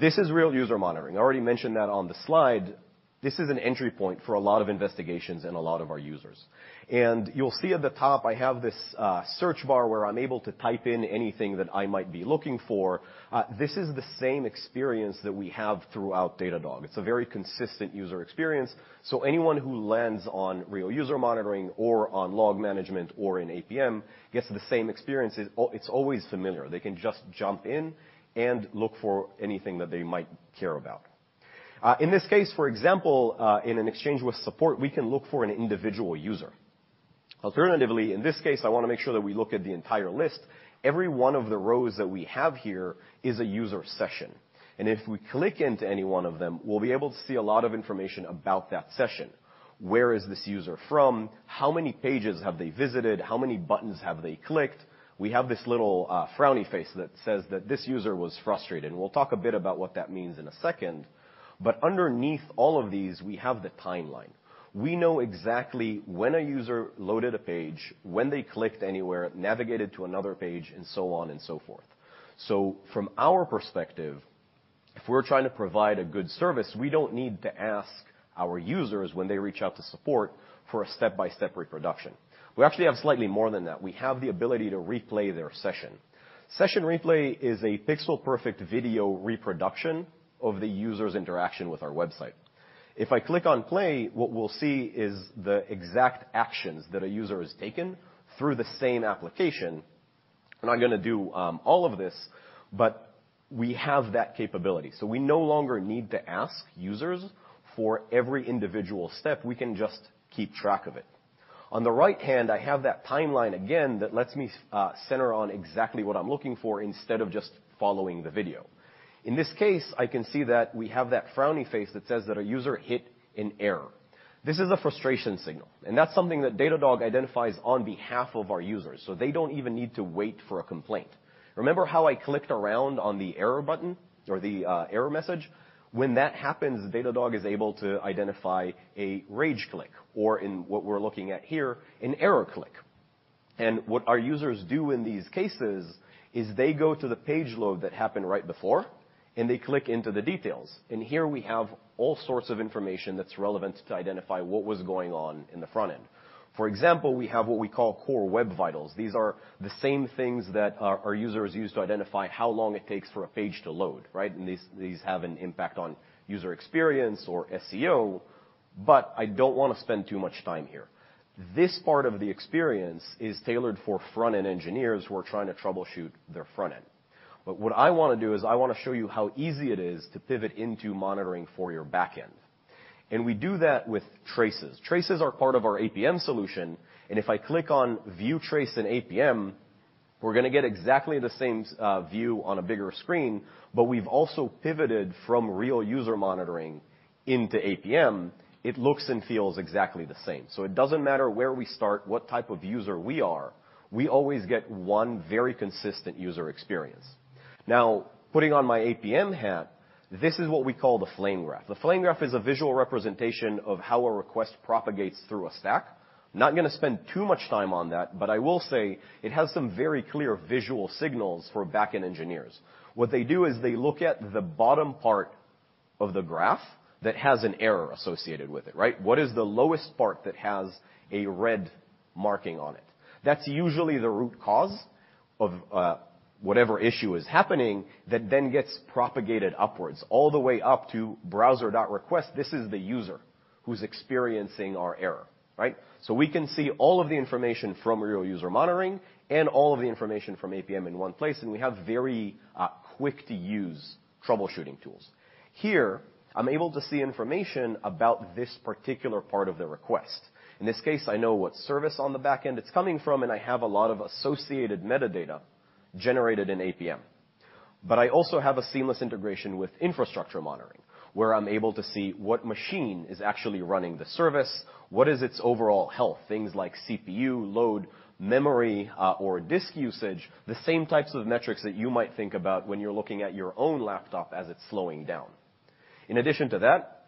Speaker 9: This is Real User Monitoring. I already mentioned that on the slide. This is an entry point for a lot of investigations and a lot of our users. You'll see at the top I have this, search bar where I'm able to type in anything that I might be looking for. This is the same experience that we have throughout Datadog. It's a very consistent user experience, so anyone who lands on Real User Monitoring or on Log Management or in APM gets the same experience. It's always familiar. They can just jump in and look for anything that they might care about. In this case, for example, in an exchange with support, we can look for an individual user. Alternatively, in this case, I wanna make sure that we look at the entire list. Every one of the rows that we have here is a user session, and if we click into any one of them, we'll be able to see a lot of information about that session. Where is this user from? How many pages have they visited? How many buttons have they clicked? We have this little frowny face that says that this user was frustrated, and we'll talk a bit about what that means in a second. Underneath all of these, we have the timeline. We know exactly when a user loaded a page, when they clicked anywhere, navigated to another page, and so on and so forth. From our perspective, if we're trying to provide a good service, we don't need to ask our users when they reach out to support for a step-by-step reproduction. We actually have slightly more than that. We have the ability to replay their session. Session Replay is a pixel perfect video reproduction of the user's interaction with our website. If I click on play, what we'll see is the exact actions that a user has taken through the same application. I'm not gonna do all of this, but we have that capability. We no longer need to ask users for every individual step. We can just keep track of it. On the right hand, I have that timeline again that lets me center on exactly what I'm looking for instead of just following the video. In this case, I can see that we have that frowny face that says that a user hit an error. This is a frustration signal, and that's something that Datadog identifies on behalf of our users, so they don't even need to wait for a complaint. Remember how I clicked around on the error button or the error message? When that happens, Datadog is able to identify a rage click or in what we're looking at here, an error click. What our users do in these cases is they go to the page load that happened right before, and they click into the details. Here we have all sorts of information that's relevant to identify what was going on in the front end. For example, we have what we call Core Web Vitals. These are the same things that our users use to identify how long it takes for a page to load, right? These have an impact on user experience or SEO, but I don't wanna spend too much time here. This part of the experience is tailored for front-end engineers who are trying to troubleshoot their front end. What I wanna do is I wanna show you how easy it is to pivot into monitoring for your backend. We do that with traces. Traces are part of our APM solution, and if I click on View trace in APM, we're gonna get exactly the same view on a bigger screen, but we've also pivoted from Real User Monitoring into APM. It looks and feels exactly the same. It doesn't matter where we start, what type of user we are, we always get one very consistent user experience. Now, putting on my APM hat, this is what we call the flame graph. The flame graph is a visual representation of how a request propagates through a stack. Not gonna spend too much time on that, but I will say it has some very clear visual signals for backend engineers. What they do is they look at the bottom part of the graph that has an error associated with it, right? What is the lowest part that has a red marking on it? That's usually the root cause of whatever issue is happening that then gets propagated upwards all the way up to browser.request. This is the user who's experiencing our error, right? We can see all of the information from Real User Monitoring and all of the information from APM in one place, and we have very quick to use troubleshooting tools. Here, I'm able to see information about this particular part of the request. In this case, I know what service on the back end it's coming from, and I have a lot of associated metadata generated in APM. I also have a seamless integration with Infrastructure Monitoring, where I'm able to see what machine is actually running the service, what is its overall health, things like CPU load, memory, or disk usage. The same types of metrics that you might think about when you're looking at your own laptop as it's slowing down. In addition to that,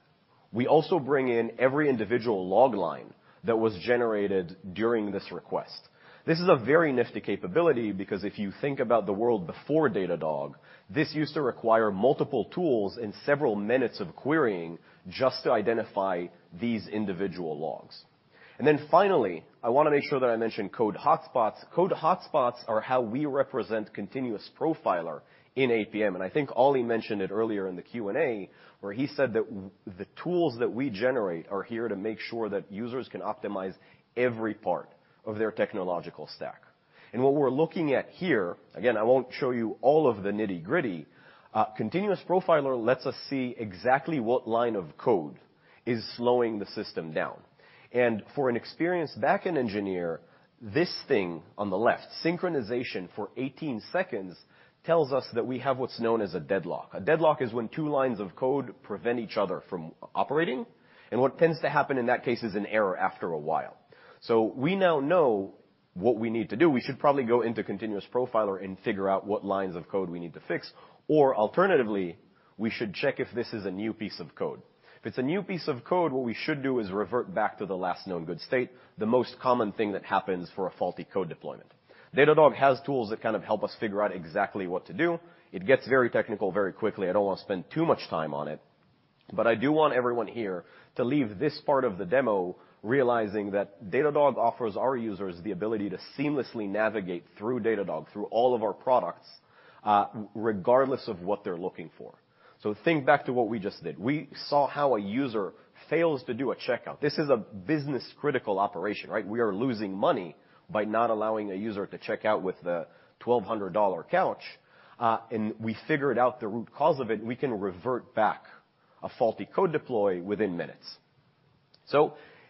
Speaker 9: we also bring in every individual log line that was generated during this request. This is a very nifty capability because if you think about the world before Datadog, this used to require multiple tools and several minutes of querying just to identify these individual logs. Then finally, I wanna make sure that I mention code hotspots. Code hotspots are how we represent Continuous Profiler in APM. I think Ollie mentioned it earlier in the Q&A, where he said that the tools that we generate are here to make sure that users can optimize every part of their technological stack. What we're looking at here, again, I won't show you all of the nitty-gritty, Continuous Profiler lets us see exactly what line of code is slowing the system down. For an experienced backend engineer, this thing on the left, synchronization for 18 seconds, tells us that we have what's known as a deadlock. A deadlock is when two lines of code prevent each other from operating, and what tends to happen in that case is an error after a while. We now know what we need to do. We should probably go into Continuous Profiler and figure out what lines of code we need to fix. Alternatively, we should check if this is a new piece of code. If it's a new piece of code, what we should do is revert back to the last known good state, the most common thing that happens for a faulty code deployment. Datadog has tools that kind of help us figure out exactly what to do. It gets very technical very quickly. I don't wanna spend too much time on it, but I do want everyone here to leave this part of the demo realizing that Datadog offers our users the ability to seamlessly navigate through Datadog, through all of our products, regardless of what they're looking for. Think back to what we just did. We saw how a user fails to do a checkout. This is a business-critical operation, right? We are losing money by not allowing a user to check out with the $1,200 couch. We figured out the root cause of it. We can revert back a faulty code deploy within minutes.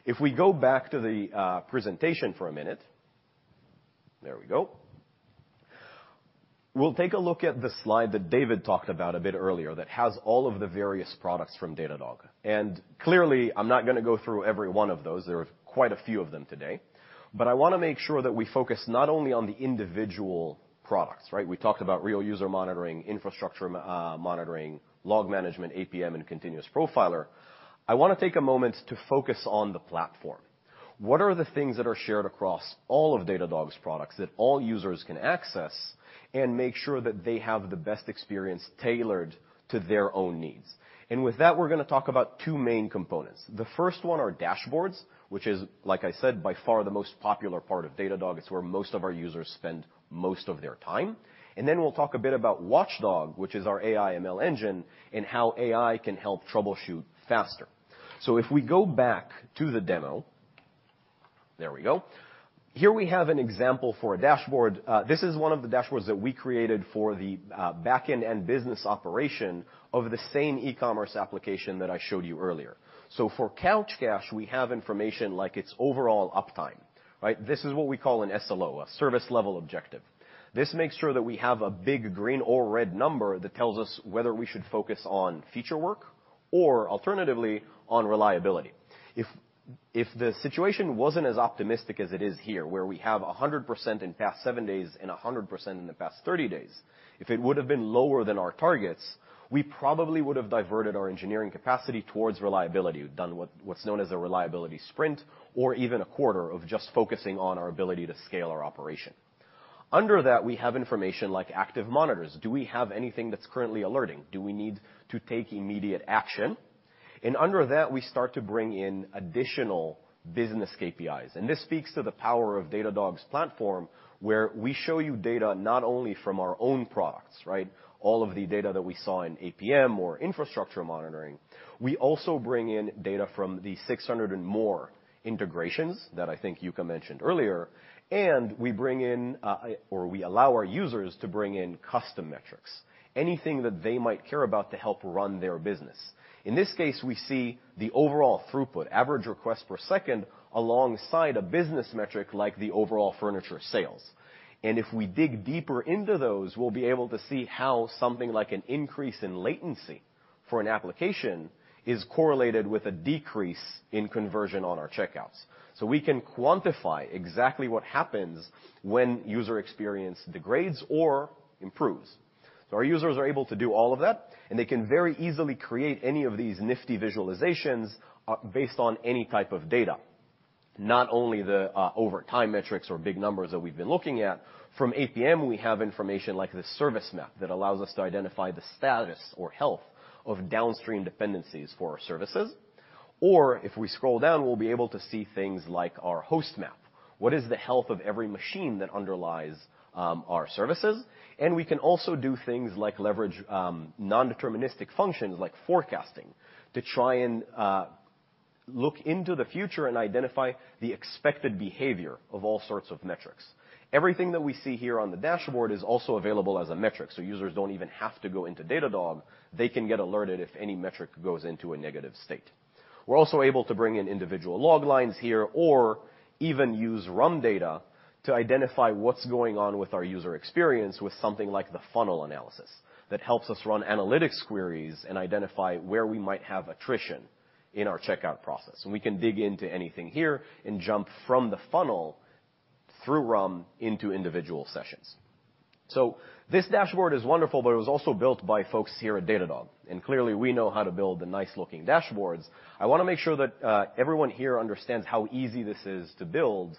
Speaker 9: If we go back to the presentation for a minute. There we go. We'll take a look at the slide that David talked about a bit earlier that has all of the various products from Datadog. Clearly, I'm not gonna go through every one of those. There are quite a few of them today. I wanna make sure that we focus not only on the individual products, right? We talked about Real User Monitoring, Infrastructure Monitoring, Log Management, APM, and Continuous Profiler. I wanna take a moment to focus on the platform. What are the things that are shared across all of Datadog's products that all users can access and make sure that they have the best experience tailored to their own needs? With that, we're gonna talk about two main components. The first one are dashboards, which is, like I said, by far the most popular part of Datadog. It's where most of our users spend most of their time. Then we'll talk a bit about Watchdog, which is our AI ML engine, and how AI can help troubleshoot faster. If we go back to the demo. There we go. Here we have an example for a dashboard. This is one of the dashboards that we created for the backend and business operation of the same e-commerce application that I showed you earlier. For Couch Cash, we have information like its overall uptime, right? This is what we call an SLO, a service level objective. This makes sure that we have a big green or red number that tells us whether we should focus on feature work or alternatively, on reliability. If the situation wasn't as optimistic as it is here, where we have 100% in past 7 days and 100% in the past 30 days, if it would've been lower than our targets, we probably would've diverted our engineering capacity towards reliability. We've done what's known as a reliability sprint or even a quarter of just focusing on our ability to scale our operation. Under that, we have information like active monitors. Do we have anything that's currently alerting? Do we need to take immediate action? Under that, we start to bring in additional business KPIs, This speaks to the power of Datadog's platform, where we show you data not only from our own products, right? All of the data that we saw in APM or Infrastructure Monitoring. We also bring in data from the 600 and more integrations that I think Yuka mentioned earlier. We bring in, or we allow our users to bring in custom metrics, anything that they might care about to help run their business. In this case, we see the overall throughput, average request per second, alongside a business metric like the overall furniture sales. If we dig deeper into those, we'll be able to see how something like an increase in latency for an application is correlated with a decrease in conversion on our checkouts. We can quantify exactly what happens when user experience degrades or improves. Our users are able to do all of that, and they can very easily create any of these nifty visualizations based on any type of data, not only the over time metrics or big numbers that we've been looking at. From APM, we have information like the service map that allows us to identify the status or health of downstream dependencies for our services. If we scroll down, we'll be able to see things like our host map. What is the health of every machine that underlies our services? We can also do things like leverage non-deterministic functions like forecasting to try and look into the future and identify the expected behavior of all sorts of metrics. Everything that we see here on the dashboard is also available as a metric, so users don't even have to go into Datadog. They can get alerted if any metric goes into a negative state. We're also able to bring in individual log lines here or even use RUM data to identify what's going on with our user experience with something like the funnel analysis that helps us run analytics queries and identify where we might have attrition in our checkout process. We can dig into anything here and jump from the funnel through RUM into individual sessions. This dashboard is wonderful, but it was also built by folks here at Datadog, and clearly, we know how to build the nice-looking dashboards. I wanna make sure that everyone here understands how easy this is to build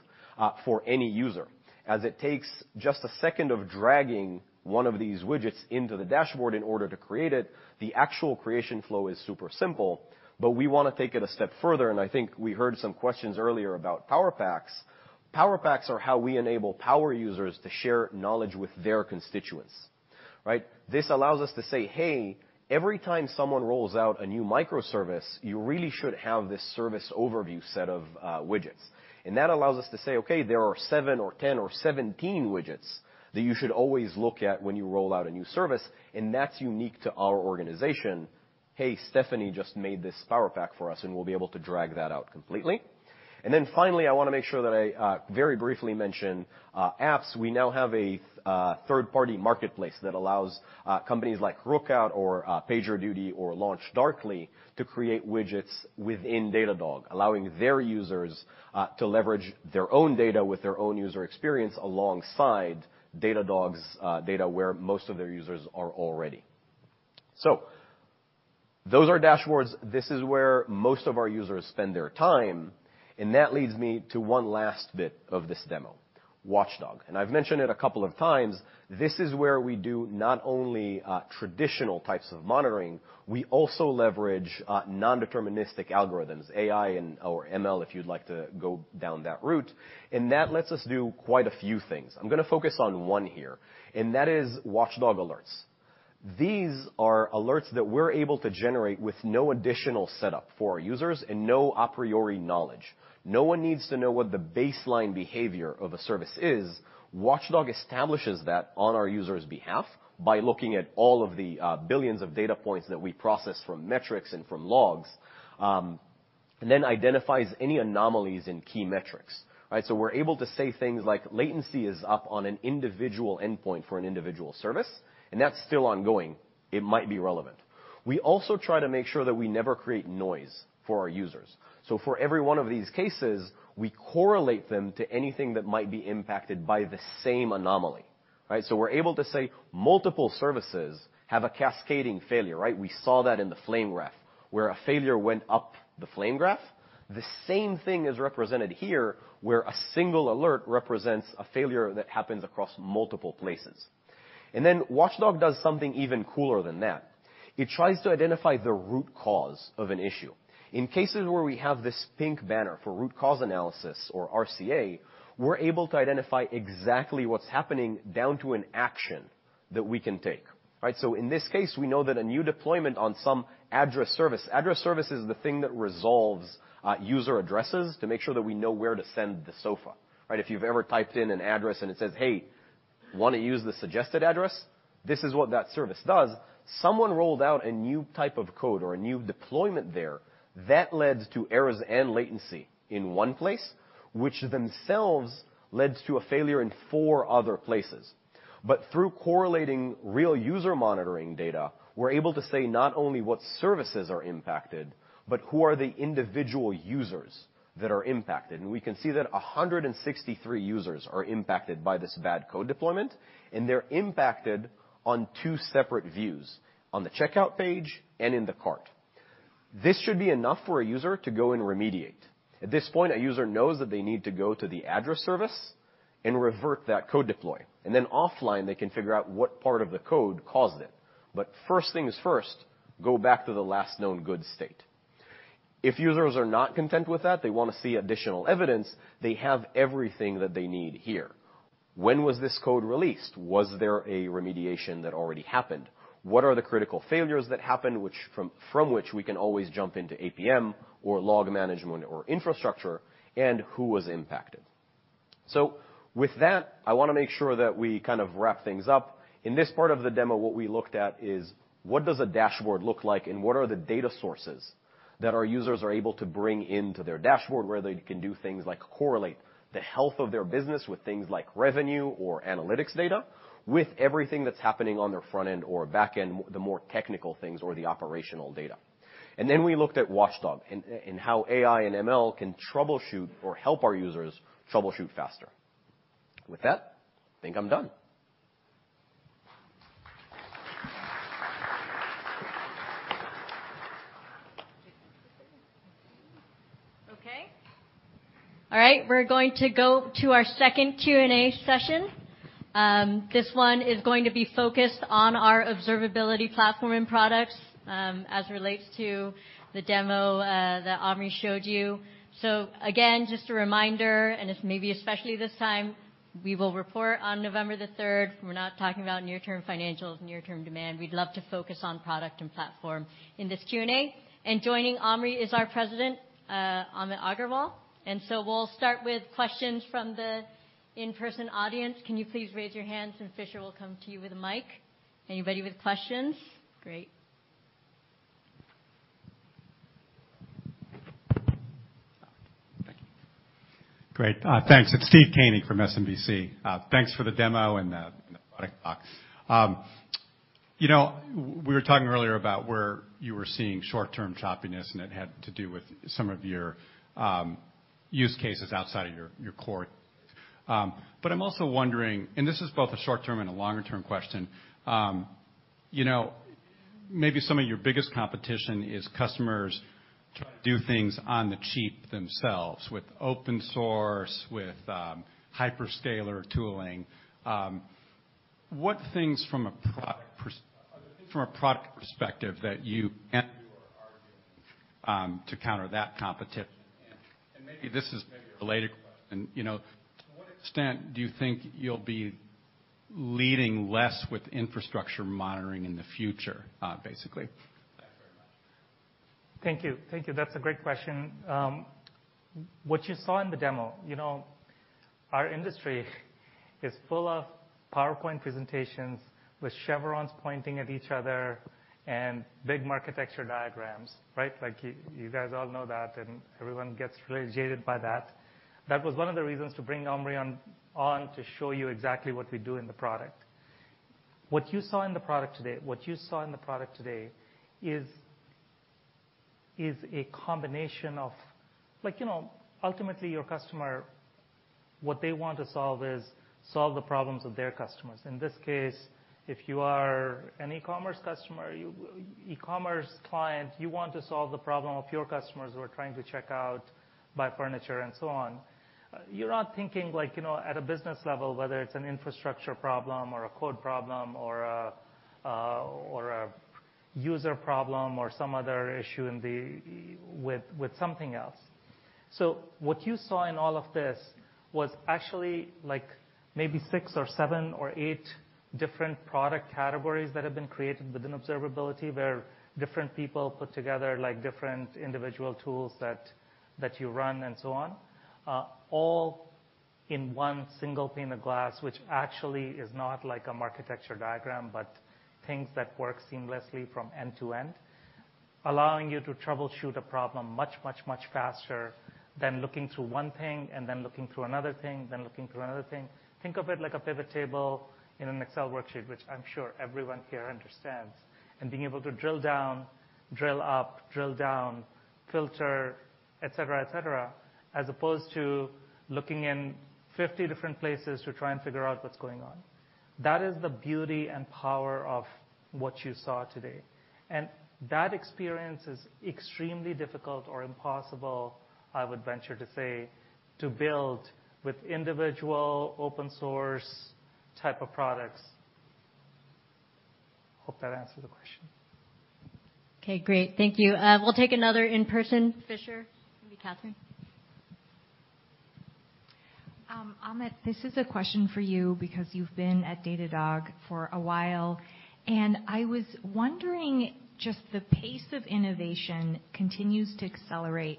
Speaker 9: for any user, as it takes just a second of dragging one of these widgets into the dashboard in order to create it. The actual creation flow is super simple, but we wanna take it a step further, and I think we heard some questions earlier about Powerpacks. Powerpacks are how we enable power users to share knowledge with their constituents, right? This allows us to say, "Hey, every time someone rolls out a new microservice, you really should have this service overview set of widgets." That allows us to say, "Okay, there are seven or 10 or 17 widgets that you should always look at when you roll out a new service, and that's unique to our organization." Hey, Stephanie just made this Powerpacks for us, and we'll be able to drag that out completely. Then finally, I wanna make sure that I very briefly mention apps. We now have a third-party marketplace that allows companies like Rookout or PagerDuty or LaunchDarkly to create widgets within Datadog, allowing their users to leverage their own data with their own user experience alongside Datadog's data where most of their users are already. Those are dashboards. This is where most of our users spend their time, and that leads me to one last bit of this demo, Watchdog. I've mentioned it a couple of times. This is where we do not only traditional types of monitoring, we also leverage non-deterministic algorithms, AI and/or ML, if you'd like to go down that route. That lets us do quite a few things. I'm gonna focus on one here, and that is Watchdog alerts. These are alerts that we're able to generate with no additional setup for our users and no a priori knowledge. No one needs to know what the baseline behavior of a service is. Watchdog establishes that on our users' behalf by looking at all of the billions of data points that we process from metrics and from logs, and then identifies any anomalies in key metrics, right? We're able to say things like latency is up on an individual endpoint for an individual service, and that's still ongoing. It might be relevant. We also try to make sure that we never create noise for our users. For every one of these cases, we correlate them to anything that might be impacted by the same anomaly, right? We're able to say multiple services have a cascading failure, right? We saw that in the flame graph, where a failure went up the flame graph. The same thing is represented here, where a single alert represents a failure that happens across multiple places. Watchdog does something even cooler than that. It tries to identify the root cause of an issue. In cases where we have this pink banner for root cause analysis or RCA, we're able to identify exactly what's happening down to an action that we can take, right? In this case, we know that a new deployment on some address service. Address service is the thing that resolves user addresses to make sure that we know where to send the sofa, right? If you've ever typed in an address, and it says, "Hey, wanna use the suggested address?" This is what that service does. Someone rolled out a new type of code or a new deployment there that led to errors and latency in one place, which themselves led to a failure in four other places. Through correlating Real User Monitoring data, we're able to say not only what services are impacted, but who are the individual users that are impacted. We can see that 163 users are impacted by this bad code deployment, and they're impacted on two separate views, on the checkout page and in the cart. This should be enough for a user to go and remediate. At this point, a user knows that they need to go to the address service and revert that code deploy. Then offline, they can figure out what part of the code caused it. First things first, go back to the last known good state. If users are not content with that, they wanna see additional evidence, they have everything that they need here. When was this code released? Was there a remediation that already happened? What are the critical failures that happened? From which we can always jump into APM or Log Management or infrastructure, and who was impacted. With that, I wanna make sure that we kind of wrap things up. In this part of the demo, what we looked at is what does a dashboard look like, and what are the data sources that our users are able to bring into their dashboard, where they can do things like correlate the health of their business with things like revenue or analytics data, with everything that's happening on their front end or back end, the more technical things or the operational data. We looked at Watchdog and how AI and ML can troubleshoot or help our users troubleshoot faster. With that, I think I'm done.
Speaker 1: Okay. All right. We're going to go to our second Q&A session. This one is going to be focused on our observability platform and products, as relates to the demo that Omri showed you. Again, just a reminder, and maybe especially this time, we will report on November the third. We're not talking about near-term financials, near-term demand. We'd love to focus on product and platform in this Q&A. Joining Omri is our president, Amit Agarwal. We'll start with questions from the in-person audience. Can you please raise your hands and Fisher will come to you with a mic. Anybody with questions? Great.
Speaker 10: Great. Thanks. It's Steve Koenig from SMBC. Thanks for the demo and the product talk. You know, we were talking earlier about where you were seeing short-term choppiness, and it had to do with some of your use cases outside of your core. I'm also wondering, and this is both a short-term and a longer term question. You know, maybe some of your biggest competition is customers trying to do things on the cheap themselves with open source, with hyperscaler tooling. What things from a product perspective are there that you are arguing to counter that competition? Maybe this is a related question. You know, to what extent do you think you'll be leading less with infrastructure monitoring in the future, basically? Thanks very much.
Speaker 11: Thank you. Thank you. That's a great question. What you saw in the demo, you know, our industry is full of PowerPoint presentations with chevrons pointing at each other and big marketecture diagrams, right? Like, you guys all know that, and everyone gets really jaded by that. That was one of the reasons to bring Omri on to show you exactly what we do in the product. What you saw in the product today is a combination of. Like, you know, ultimately, your customer, what they want to solve is solve the problems of their customers. In this case, if you are an e-commerce customer, e-commerce client, you want to solve the problem of your customers who are trying to check out, buy furniture, and so on. You're not thinking, like, you know, at a business level, whether it's an infrastructure problem or a code problem or a user problem or some other issue with something else. What you saw in all of this was actually like maybe six or seven or eight different product categories that have been created within observability, where different people put together, like, different individual tools that you run and so on. All in one single pane of glass, which actually is not like a marketecture diagram, but things that work seamlessly from end to end, allowing you to troubleshoot a problem much faster than looking through one thing and then looking through another thing, then looking through another thing. Think of it like a pivot table in an Excel worksheet, which I'm sure everyone here understands, and being able to drill down, drill up, drill down, filter, et cetera, et cetera, as opposed to looking in 50 different places to try and figure out what's going on. That is the beauty and power of what you saw today. That experience is extremely difficult or impossible, I would venture to say, to build with individual open source type of products. Hope that answered the question.
Speaker 1: Okay, great. Thank you. We'll take another in-person. Fisher, maybe Catherine.
Speaker 12: Amit, this is a question for you because you've been at Datadog for a while, and I was wondering just the pace of innovation continues to accelerate.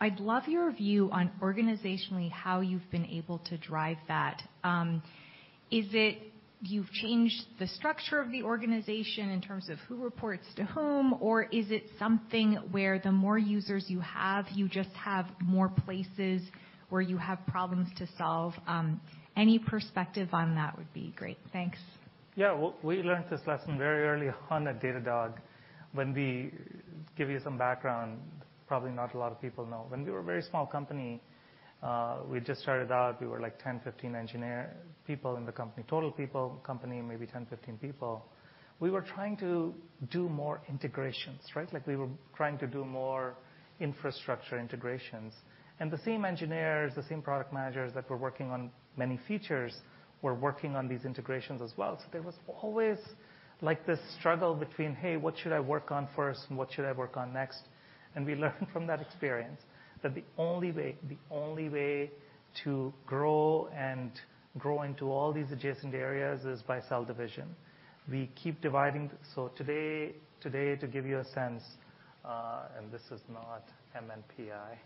Speaker 12: I'd love your view on organizationally how you've been able to drive that. Is it you've changed the structure of the organization in terms of who reports to whom? Or is it something where the more users you have, you just have more places where you have problems to solve? Any perspective on that would be great. Thanks.
Speaker 11: We learned this lesson very early on at Datadog. Give you some background probably not a lot of people know. When we were a very small company, we just started out, we were like 10, 15 engineer people in the company. Total people in the company, maybe 10, 15 people. We were trying to do more integrations, right? Like, we were trying to do more infrastructure integrations. The same engineers, the same product managers that were working on many features, were working on these integrations as well. There was always like this struggle between, "Hey, what should I work on first and what should I work on next?" We learned from that experience that the only way to grow and grow into all these adjacent areas is by cell division. We keep dividing. Today, to give you a sense, and this is not MNPI.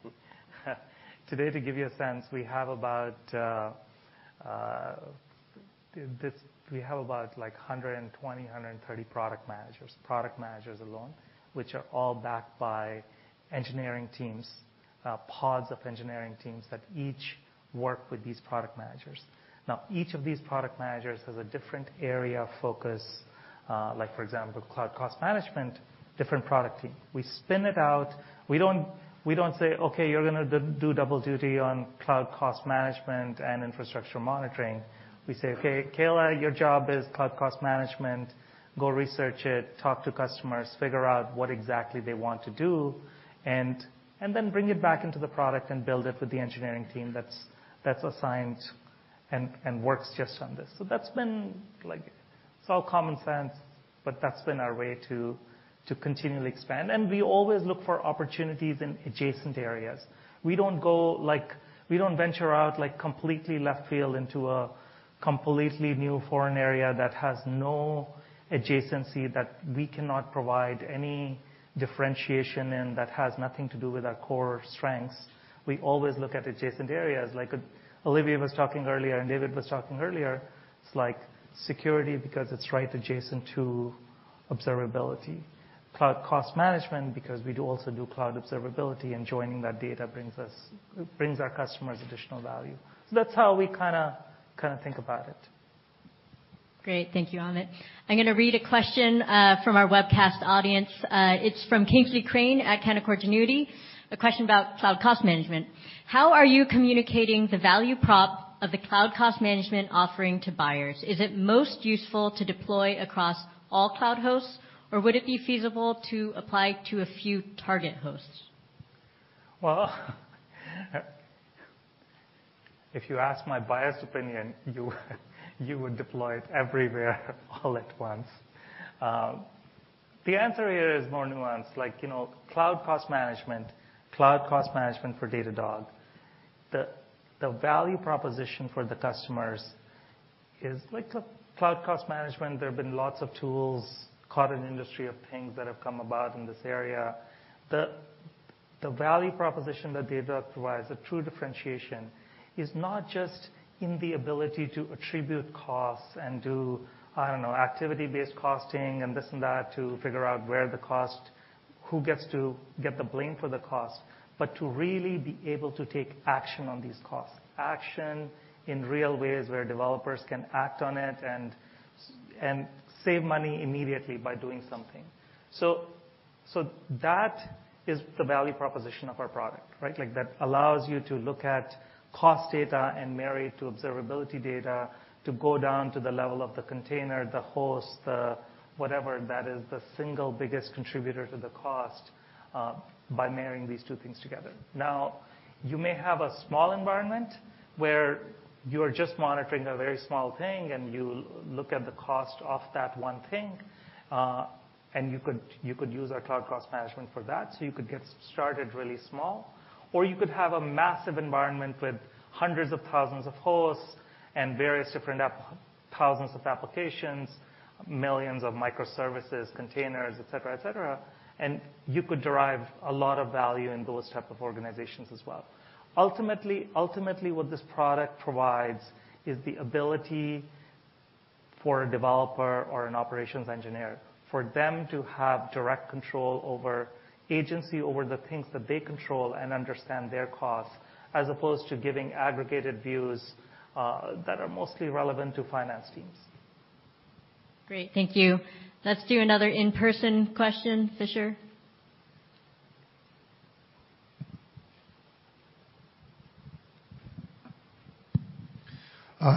Speaker 11: Today, to give you a sense, we have about 120 to 130 product managers. Product managers alone, which are all backed by engineering teams, pods of engineering teams that each work with these product managers. Now, each of these product managers has a different area of focus. Like for example, Cloud Cost Management, different product team. We spin it out. We don't say, "Okay, you're gonna do double duty on Cloud Cost Management and Infrastructure Monitoring." We say, "Okay, Kayla, your job is Cloud Cost Management. Go research it, talk to customers, figure out what exactly they want to do, and then bring it back into the product and build it with the engineering team that's assigned and works just on this. So that's been like. It's all common sense, but that's been our way to continually expand. We always look for opportunities in adjacent areas. We don't go. Like, we don't venture out like completely left field into a completely new foreign area that has no adjacency, that we cannot provide any differentiation in, that has nothing to do with our core strengths. We always look at adjacent areas. Like Olivier was talking earlier and David was talking earlier, it's like security because it's right adjacent to observability. Cloud Cost Management because we do also do cloud observability, and joining that data brings us, brings our customers additional value. That's how we kinda think about it.
Speaker 1: Great. Thank you, Amit. I'm gonna read a question from our webcast audience. It's from Kingsley Crane at Canaccord Genuity. A question about Cloud Cost Management. How are you communicating the value prop of the Cloud Cost Management offering to buyers? Is it most useful to deploy across all cloud hosts, or would it be feasible to apply to a few target hosts?
Speaker 11: Well, if you ask my biased opinion, you would deploy it everywhere all at once. The answer here is more nuanced. Like, you know, Cloud Cost Management, Cloud Cost Management for Datadog, the value proposition for the customers is like Cloud Cost Management, there have been lots of tools, a cottage industry of things that have come about in this area. The value proposition that Datadog provides, the true differentiation, is not just in the ability to attribute costs and do, I don't know, activity-based costing and this and that to figure out where the cost, who gets to get the blame for the cost, but to really be able to take action on these costs, action in real ways where developers can act on it and save money immediately by doing something. So that is the value proposition of our product, right? Like, that allows you to look at cost data and marry it to observability data to go down to the level of the container, the host, the whatever that is the single biggest contributor to the cost, by marrying these two things together. Now, you may have a small environment where you're just monitoring a very small thing, and you look at the cost of that one thing, and you could use our Cloud Cost Management for that. You could get started really small, or you could have a massive environment with hundreds of thousands of hosts and various different applications, thousands of applications, millions of microservices, containers, et cetera, et cetera, and you could derive a lot of value in those type of organizations as well. Ultimately, what this product provides is the ability for a developer or an operations engineer, for them to have direct control over agency, over the things that they control and understand their costs, as opposed to giving aggregated views that are mostly relevant to finance teams.
Speaker 1: Great. Thank you. Let's do another in-person question. Fisher?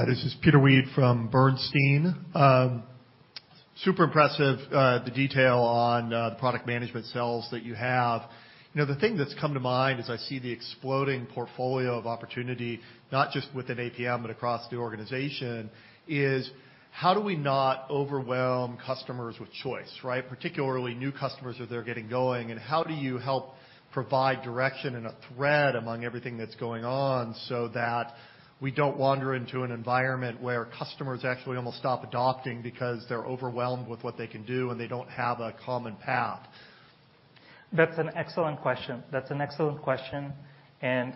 Speaker 13: This is Peter Weed from Bernstein. Super impressive, the detail on the product management sells that you have. You know, the thing that's come to mind as I see the exploding portfolio of opportunity, not just within APM, but across the organization, is how do we not overwhelm customers with choice, right? Particularly new customers as they're getting going, and how do you help provide direction and a thread among everything that's going on so that we don't wander into an environment where customers actually almost stop adopting because they're overwhelmed with what they can do, and they don't have a common path?
Speaker 11: That's an excellent question, and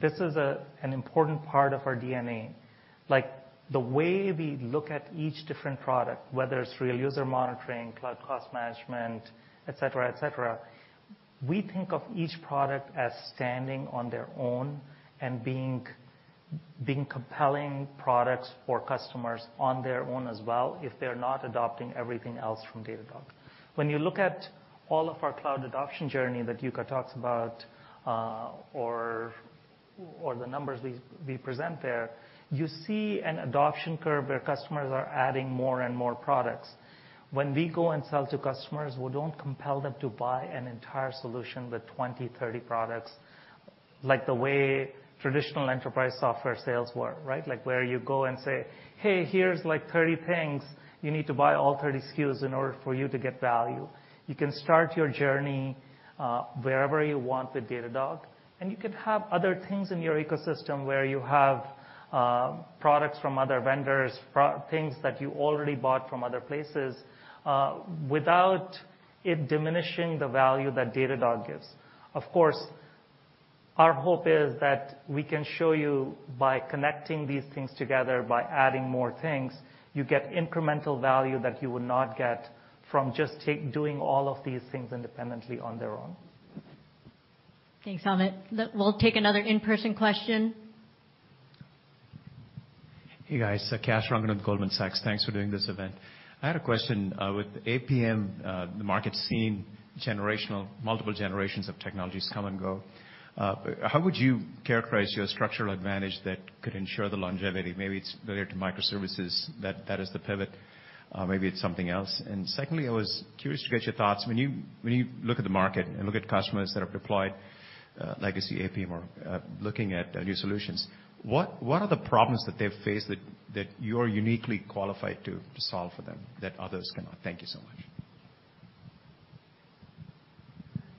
Speaker 11: this is an important part of our DNA. Like, the way we look at each different product, whether it's Real User Monitoring, Cloud Cost Management, et cetera, we think of each product as standing on their own and being compelling products for customers on their own as well if they're not adopting everything else from Datadog. When you look at all of our cloud adoption journey that Yuka talks about, or the numbers we present there, you see an adoption curve where customers are adding more and more products. When we go and sell to customers, we don't compel them to buy an entire solution with 20, 30 products, like the way traditional enterprise software sales work, right? Like, where you go and say, "Hey, here's like 30 things. You need to buy all 30 SKUs in order for you to get value." You can start your journey wherever you want with Datadog, and you could have other things in your ecosystem where you have products from other vendors, things that you already bought from other places, without it diminishing the value that Datadog gives. Of course, our hope is that we can show you by connecting these things together, by adding more things, you get incremental value that you would not get from just doing all of these things independently on their own.
Speaker 1: Thanks, Amit. We'll take another in-person question.
Speaker 14: Hey, guys. Kash Rangan from Goldman Sachs. Thanks for doing this event. I had a question with APM. The market's seen generational, multiple generations of technologies come and go. How would you characterize your structural advantage that could ensure the longevity? Maybe it's related to microservices, that is the pivot, maybe it's something else. Secondly, I was curious to get your thoughts. When you look at the market and look at customers that have deployed legacy APM or looking at new solutions, what are the problems that they face that you're uniquely qualified to solve for them that others cannot? Thank you so much.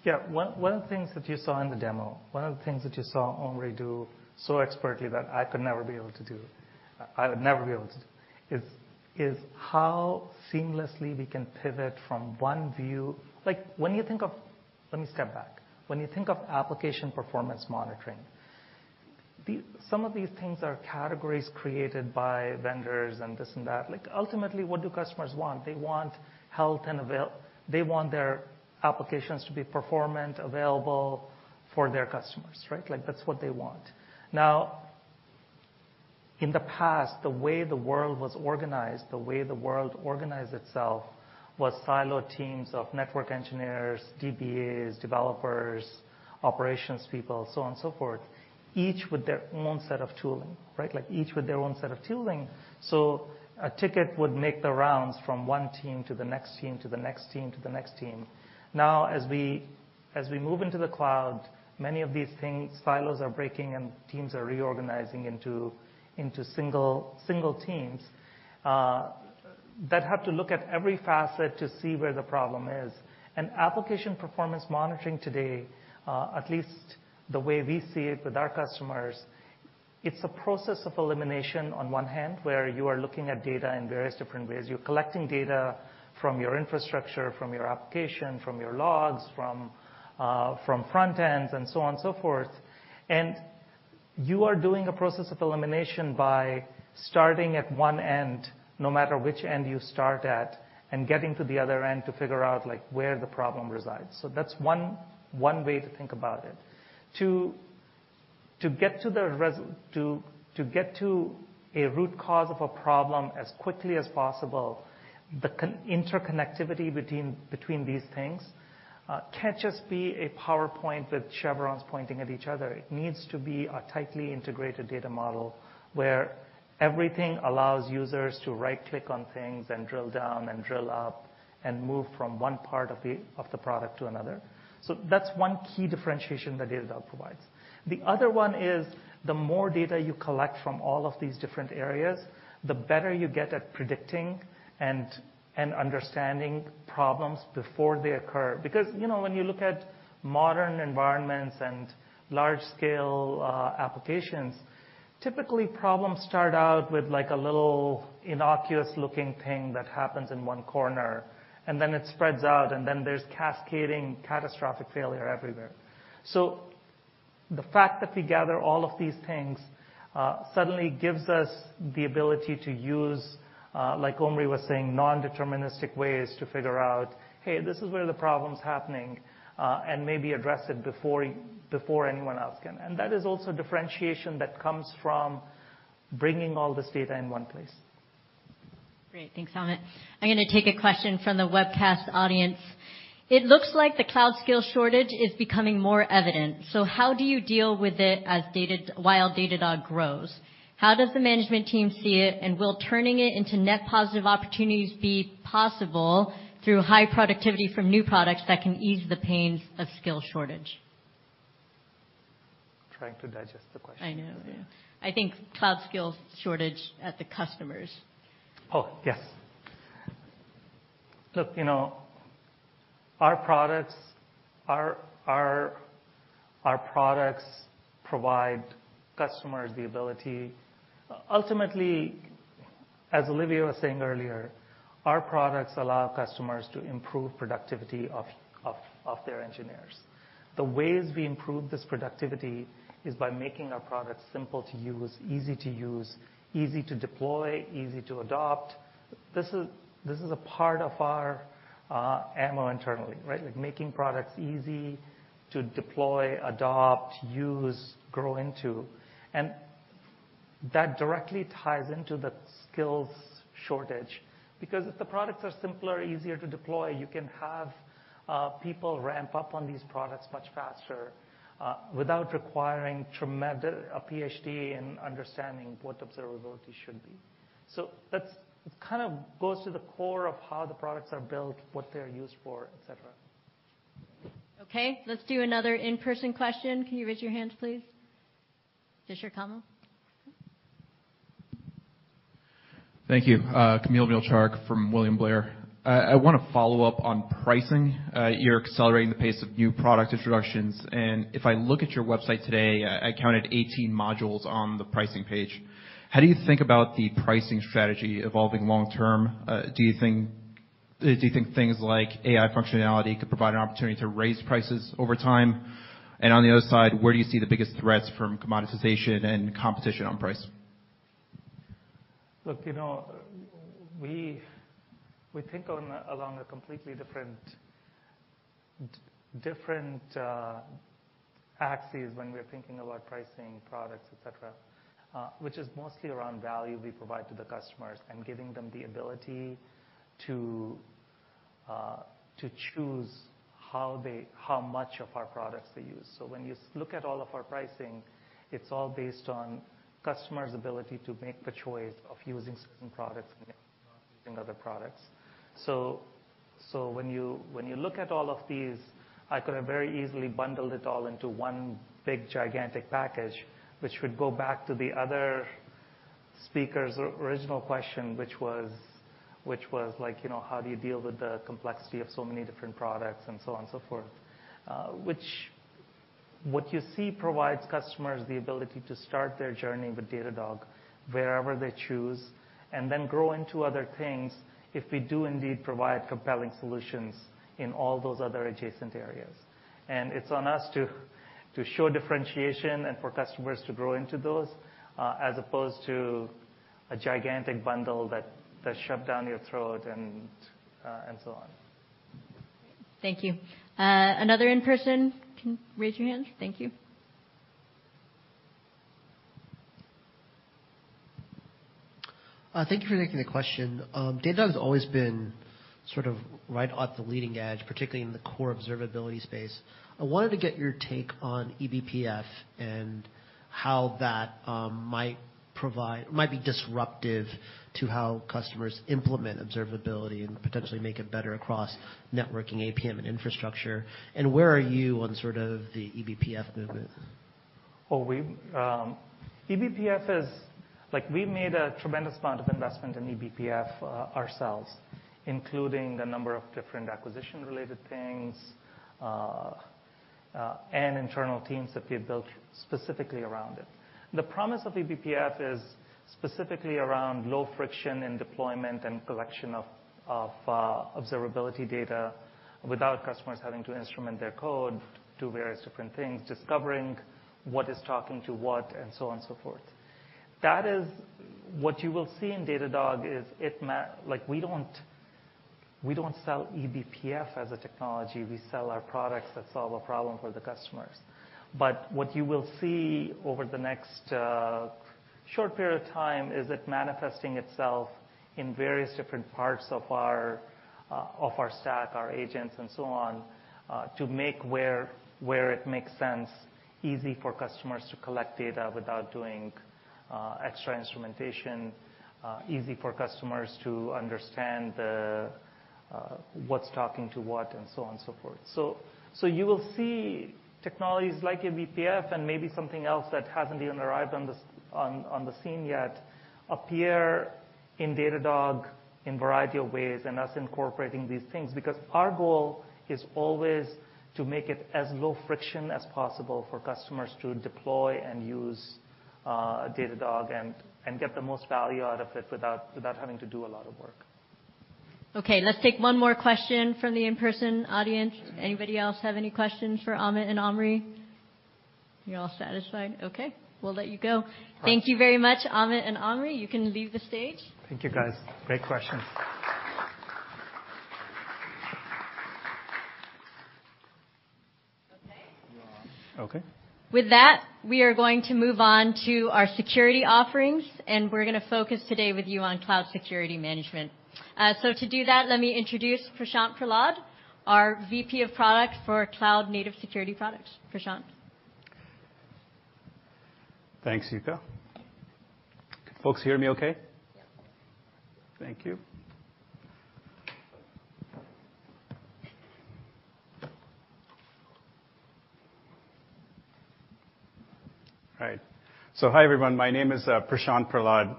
Speaker 11: Yeah. One of the things that you saw in the demo, one of the things that you saw Omri do so expertly that I would never be able to do is how seamlessly we can pivot from one view. Like, Let me step back. When you think of application performance monitoring, some of these things are categories created by vendors and this and that. Like, ultimately, what do customers want? They want their applications to be performant, available for their customers, right? Like, that's what they want. Now, in the past, the way the world was organized, the way the world organized itself was siloed teams of network engineers, DBAs, developers, operations people, so on and so forth, each with their own set of tooling, right? Like, each with their own set of tooling. A ticket would make the rounds from one team to the next team, to the next team, to the next team. Now, as we move into the cloud, many of these things, silos are breaking and teams are reorganizing into single teams. That have to look at every facet to see where the problem is. Application performance monitoring today, at least the way we see it with our customers, it's a process of elimination on one hand, where you are looking at data in various different ways. You're collecting data from your infrastructure, from your application, from your logs, from front ends and so on and so forth. You are doing a process of elimination by starting at one end, no matter which end you start at, and getting to the other end to figure out like where the problem resides. That's one way to think about it. To get to a root cause of a problem as quickly as possible, the interconnectivity between these things can't just be a PowerPoint with chevrons pointing at each other. It needs to be a tightly integrated data model where everything allows users to right-click on things and drill down and drill up and move from one part of the product to another. That's one key differentiation that Datadog provides. The other one is, the more data you collect from all of these different areas, the better you get at predicting and understanding problems before they occur. Because, you know, when you look at modern environments and large scale applications, typically problems start out with like a little innocuous-looking thing that happens in one corner, and then it spreads out, and then there's cascading catastrophic failure everywhere. The fact that we gather all of these things suddenly gives us the ability to use, like Omri was saying, nondeterministic ways to figure out, hey, this is where the problem's happening, and maybe address it before anyone else can. That is also a differentiation that comes from bringing all this data in one place.
Speaker 1: Great. Thanks, Amit. I'm gonna take a question from the webcast audience. It looks like the cloud skill shortage is becoming more evident, so how do you deal with it as Datadog grows? How does the management team see it, and will turning it into net positive opportunities be possible through high productivity from new products that can ease the pains of skill shortage?
Speaker 11: Trying to digest the question.
Speaker 1: I know. Yeah. I think cloud skills shortage at the customers.
Speaker 11: Yes. Look, you know, our products provide customers the ability. Ultimately, as Olivier was saying earlier, our products allow customers to improve productivity of their engineers. The ways we improve this productivity is by making our products simple to use, easy to use, easy to deploy, easy to adopt. This is a part of our M.O. internally, right? Like, making products easy to deploy, adopt, use, grow into. That directly ties into the skills shortage, because if the products are simpler, easier to deploy, you can have people ramp up on these products much faster without requiring a Ph.D. in understanding what observability should be. So that kind of goes to the core of how the products are built, what they're used for, et cetera.
Speaker 1: Okay, let's do another in-person question. Can you raise your hand, please? Fisher Kamal.
Speaker 15: Thank you. Kamil Mielczarek from William Blair. I wanna follow up on pricing. You're accelerating the pace of new product introductions, and if I look at your website today, I counted 18 modules on the pricing page. How do you think about the pricing strategy evolving long term? Do you think things like AI functionality could provide an opportunity to raise prices over time? And on the other side, where do you see the biggest threats from commoditization and competition on price?
Speaker 11: Look, you know, we think along a completely different axes when we're thinking about pricing products, et cetera, which is mostly around value we provide to the customers and giving them the ability to choose how much of our products they use. When you look at all of our pricing, it's all based on customers' ability to make the choice of using certain products and not using other products. When you look at all of these, I could have very easily bundled it all into one big gigantic package, which would go back to the other speaker's original question, which was like, you know, how do you deal with the complexity of so many different products and so on and so forth. Which is what you see provides customers the ability to start their journey with Datadog wherever they choose, and then grow into other things if we do indeed provide compelling solutions in all those other adjacent areas. It's on us to show differentiation and for customers to grow into those, as opposed to a gigantic bundle that's shoved down your throat and so on.
Speaker 1: Thank you. Another in-person. Can you raise your hand? Thank you.
Speaker 3: Thank you for taking the question. Datadog has always been sort of right at the leading edge, particularly in the core observability space. I wanted to get your take on eBPF and how that might be disruptive to how customers implement observability and potentially make it better across networking, APM, and infrastructure. Where are you on sort of the eBPF movement?
Speaker 11: eBPF is like we made a tremendous amount of investment in eBPF ourselves, including the number of different acquisition-related things and internal teams that we have built specifically around it. The promise of eBPF is specifically around low friction in deployment and collection of observability data without customers having to instrument their code to various different things, discovering what is talking to what and so on and so forth. That is what you will see in Datadog is like we don't sell eBPF as a technology. We sell our products that solve a problem for the customers. What you will see over the next short period of time is it manifesting itself in various different parts of our of our stack, our agents, and so on, to make where it makes sense easy for customers to collect data without doing extra instrumentation, easy for customers to understand what's talking to what and so on and so forth. You will see technologies like eBPF and maybe something else that hasn't even arrived on the scene yet appear in Datadog in variety of ways and us incorporating these things. Because our goal is always to make it as low friction as possible for customers to deploy and use Datadog and get the most value out of it without having to do a lot of work.
Speaker 1: Okay, let's take one more question from the in-person audience. Anybody else have any questions for Amit and Omri? You're all satisfied? Okay. We'll let you go. Thank you very much, Amit and Omri. You can leave the stage.
Speaker 11: Thank you, guys. Great questions.
Speaker 1: Okay.
Speaker 11: Okay.
Speaker 1: With that, we are going to move on to our security offerings, and we're gonna focus today with you on cloud security management. To do that, let me introduce Prashant Prahlad, our VP of product for cloud-native security products. Prashant.
Speaker 16: Thanks, Yuka. Can folks hear me okay?
Speaker 1: Yeah.
Speaker 16: Thank you. All right. Hi, everyone. My name is Prashant Prahlad,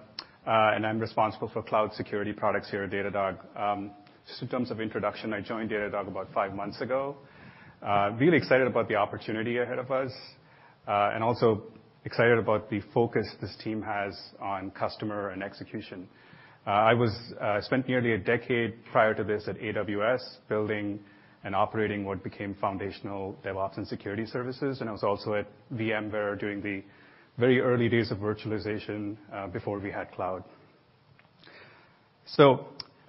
Speaker 16: and I'm responsible for cloud security products here at Datadog. Just in terms of introduction, I joined Datadog about five months ago. Really excited about the opportunity ahead of us, and also excited about the focus this team has on customer and execution. Spent nearly a decade prior to this at AWS building and operating what became foundational DevOps and security services, and I was also at VMware during the very early days of virtualization, before we had cloud.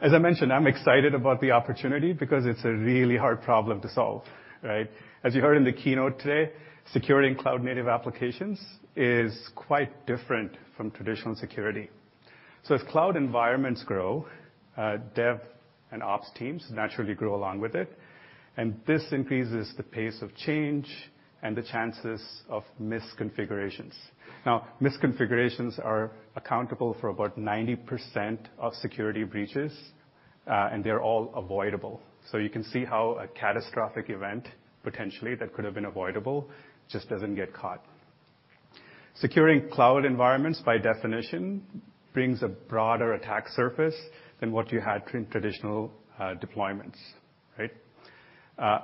Speaker 16: As I mentioned, I'm excited about the opportunity because it's a really hard problem to solve, right? As you heard in the keynote today, security in cloud-native applications is quite different from traditional security. As cloud environments grow, dev and ops teams naturally grow along with it, and this increases the pace of change and the chances of misconfigurations. Misconfigurations are accountable for about 90% of security breaches, and they're all avoidable. You can see how a catastrophic event, potentially that could have been avoidable, just doesn't get caught. Securing cloud environments, by definition, brings a broader attack surface than what you had in traditional deployments, right?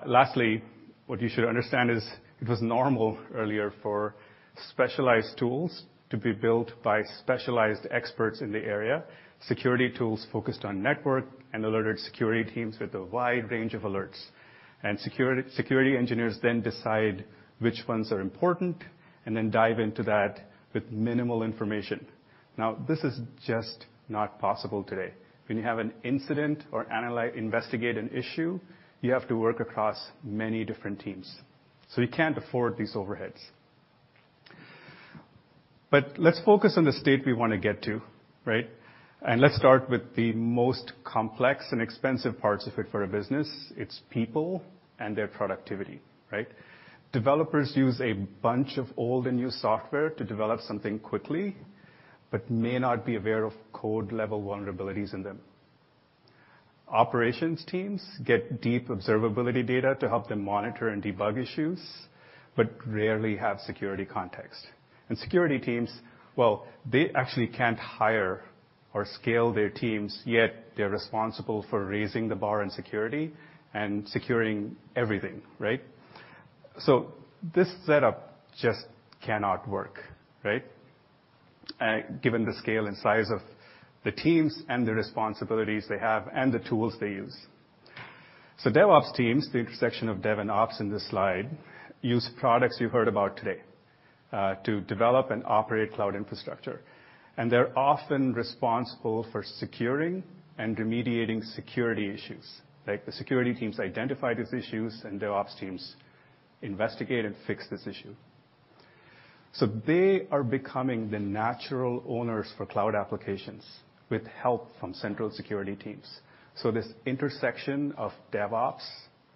Speaker 16: Lastly, what you should understand is it was normal earlier for specialized tools to be built by specialized experts in the area. Security tools focused on network and alerted security teams with a wide range of alerts. Security engineers then decide which ones are important and then dive into that with minimal information. This is just not possible today. When you have an incident or investigate an issue, you have to work across many different teams, so you can't afford these overheads. Let's focus on the state we wanna get to, right? Let's start with the most complex and expensive parts of it for a business. It's people and their productivity, right? Developers use a bunch of old and new software to develop something quickly, but may not be aware of code-level vulnerabilities in them. Operations teams get deep observability data to help them monitor and debug issues, but rarely have security context. Security teams, well, they actually can't hire or scale their teams, yet they're responsible for raising the bar in security and securing everything, right? This setup just cannot work, right? Given the scale and size of the teams and the responsibilities they have and the tools they use. DevOps teams, the intersection of dev and ops in this slide, use products you heard about today, to develop and operate cloud infrastructure. They're often responsible for securing and remediating security issues, right? The security teams identify these issues, and DevOps teams investigate and fix this issue. They are becoming the natural owners for cloud applications with help from central security teams. This intersection of DevOps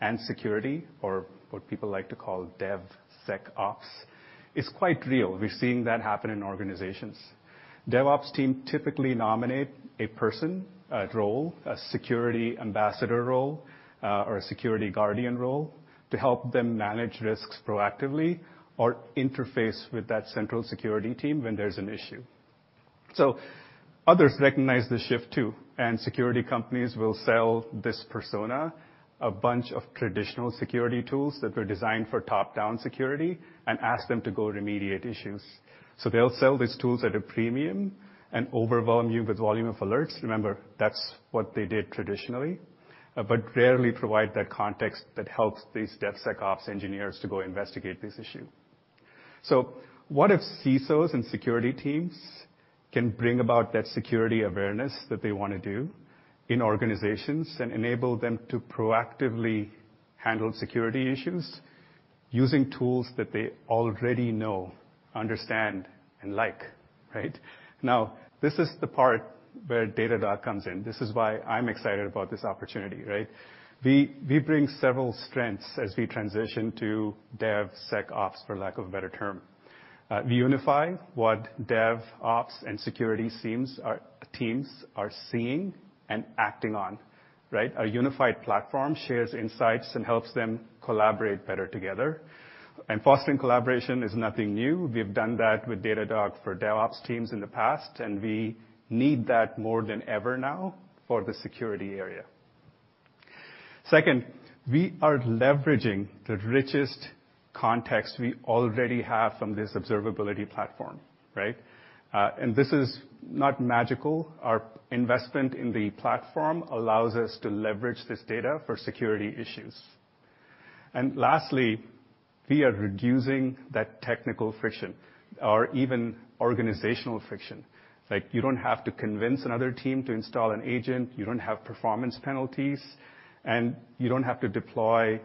Speaker 16: and security or what people like to call DevSecOps is quite real. We're seeing that happen in organizations. DevOps team typically nominate a person, a role, a security ambassador role, or a security guardian role to help them manage risks proactively or interface with that central security team when there's an issue. Others recognize the shift too, and security companies will sell this persona a bunch of traditional security tools that were designed for top-down security and ask them to go remediate issues. They'll sell these tools at a premium and overwhelm you with volume of alerts. Remember, that's what they did traditionally, but rarely provide that context that helps these DevSecOps engineers to go investigate this issue. What if CISOs and security teams can bring about that security awareness that they wanna do in organizations and enable them to proactively handle security issues using tools that they already know, understand, and like, right? Now, this is the part where Datadog comes in. This is why I'm excited about this opportunity, right? We bring several strengths as we transition to DevSecOps, for lack of a better term. We unify what DevOps and security teams are seeing and acting on, right? A unified platform shares insights and helps them collaborate better together. Fostering collaboration is nothing new. We've done that with Datadog for DevOps teams in the past, and we need that more than ever now for the security area. Second, we are leveraging the richest context we already have from this observability platform, right? This is not magical. Our investment in the platform allows us to leverage this data for security issues. Lastly, we are reducing that technical friction or even organizational friction. Like, you don't have to convince another team to install an agent, you don't have performance penalties, and you don't have to deploy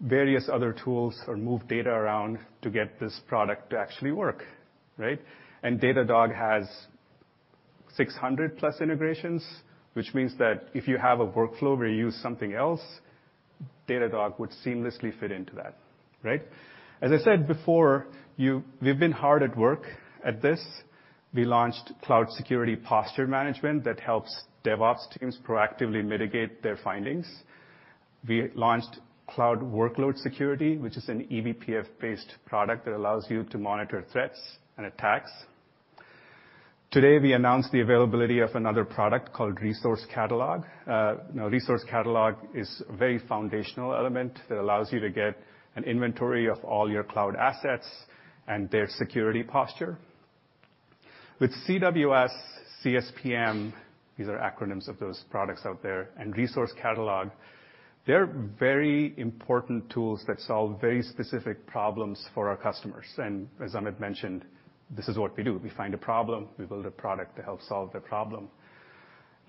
Speaker 16: various other tools or move data around to get this product to actually work, right? Datadog has 600+ integrations, which means that if you have a workflow where you use something else, Datadog would seamlessly fit into that, right? As I said before, we've been hard at work at this. We launched Cloud Security Posture Management that helps DevOps teams proactively mitigate their findings. We launched Cloud Workload Security, which is an eBPF-based product that allows you to monitor threats and attacks. Today, we announced the availability of another product called Resource Catalog. Now, Resource Catalog is a very foundational element that allows you to get an inventory of all your cloud assets and their security posture. With CWS, CSPM, these are acronyms of those products out there, and Resource Catalog, they're very important tools that solve very specific problems for our customers. As Amit mentioned, this is what we do. We find a problem, we build a product to help solve the problem.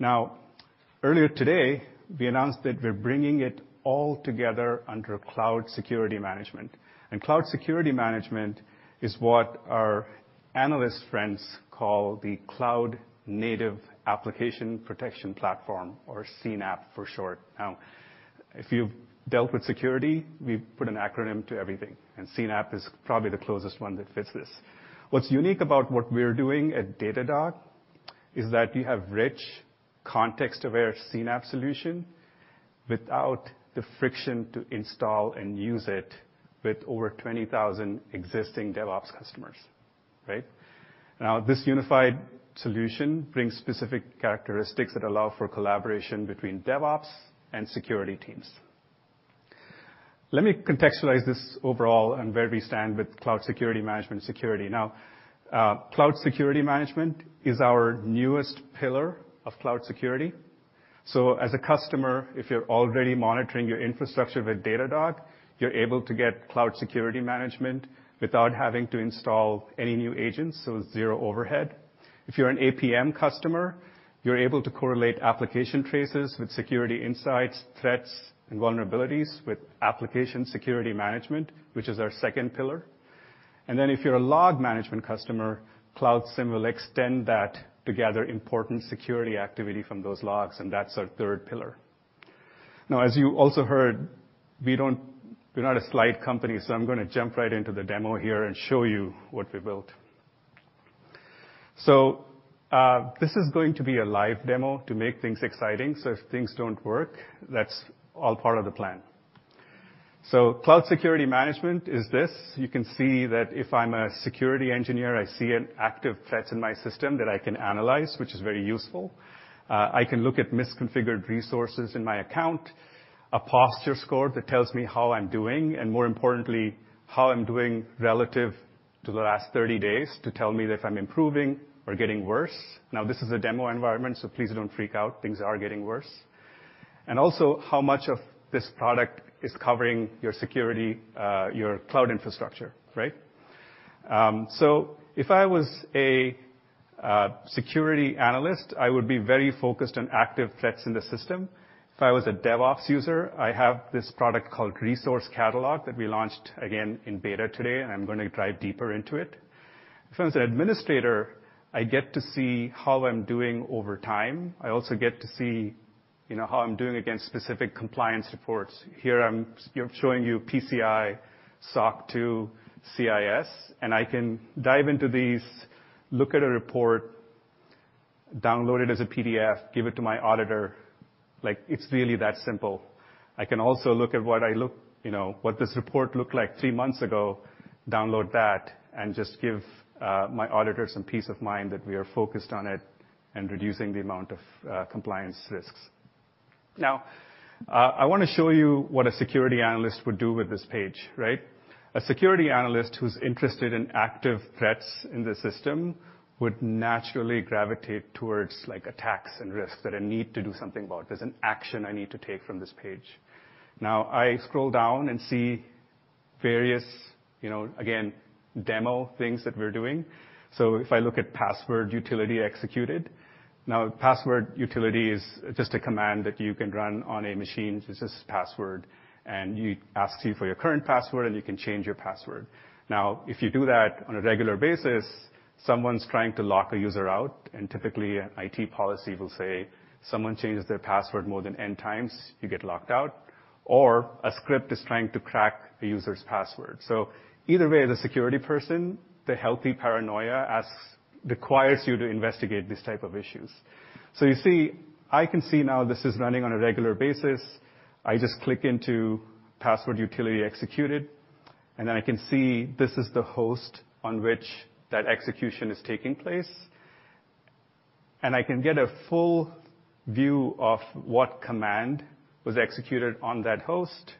Speaker 16: Now, earlier today, we announced that we're bringing it all together under Cloud Security Management. Cloud Security Management is what our analyst friends call the Cloud Native Application Protection platform, or CNAPP for short. Now, if you've dealt with security, we put an acronym to everything, and CNAPP is probably the closest one that fits this. What's unique about what we're doing at Datadog is that we have rich context-aware CNAPP solution without the friction to install and use it with over 20,000 existing DevOps customers, right? Now, this unified solution brings specific characteristics that allow for collaboration between DevOps and security teams. Let me contextualize this overall and where we stand with Cloud Security Management. Now, Cloud Security Management is our newest pillar of cloud security. As a customer, if you're already monitoring your infrastructure with Datadog, you're able to get Cloud Security Management without having to install any new agents, so zero overhead. If you're an APM customer, you're able to correlate application traces with security insights, threats, and vulnerabilities with Application Security Management, which is our second pillar. If you're a Log Management customer, Cloud SIEM will extend that to gather important security activity from those logs, and that's our third pillar. Now, as you also heard, we're not a slide company, so I'm gonna jump right into the demo here and show you what we built. This is going to be a live demo to make things exciting. If things don't work, that's all part of the plan. Cloud Security Management is this. You can see that if I'm a security engineer, I see an active threat in my system that I can analyze, which is very useful. I can look at misconfigured resources in my account, a posture score that tells me how I'm doing, and more importantly, how I'm doing relative to the last 30 days to tell me if I'm improving or getting worse. Now, this is a demo environment, so please don't freak out. Things are getting worse. How much of this product is covering your security, your cloud infrastructure, right? If I was a security analyst, I would be very focused on active threats in the system. If I was a DevOps user, I have this product called Resource Catalog that we launched again in beta today, and I'm gonna dive deeper into it. If I was an administrator, I get to see how I'm doing over time. I also get to see, you know, how I'm doing against specific compliance reports. Here I'm showing you PCI, SOC 2, CIS, and I can dive into these, look at a report, download it as a PDF, give it to my auditor. Like, it's really that simple. I can also look at, you know, what this report looked like three months ago, download that, and just give my auditor some peace of mind that we are focused on it and reducing the amount of compliance risks. Now, I wanna show you what a security analyst would do with this page, right? A security analyst who's interested in active threats in the system would naturally gravitate towards like attacks and risks that I need to do something about. There's an action I need to take from this page. Now, I scroll down and see various, you know, again, demo things that we're doing. If I look at password utility executed. Now, password utility is just a command that you can run on a machine. It's just password, and it asks you for your current password, and you can change your password. Now, if you do that on a regular basis, someone's trying to lock a user out, and typically IT policy will say, "Someone changes their password more than N times, you get locked out," or a script is trying to crack a user's password. Either way, as a security person, the healthy paranoia asks. Requires you to investigate these type of issues. You see, I can see now this is running on a regular basis. I just click into Password Utility Executed, and then I can see this is the host on which that execution is taking place. I can get a full view of what command was executed on that host,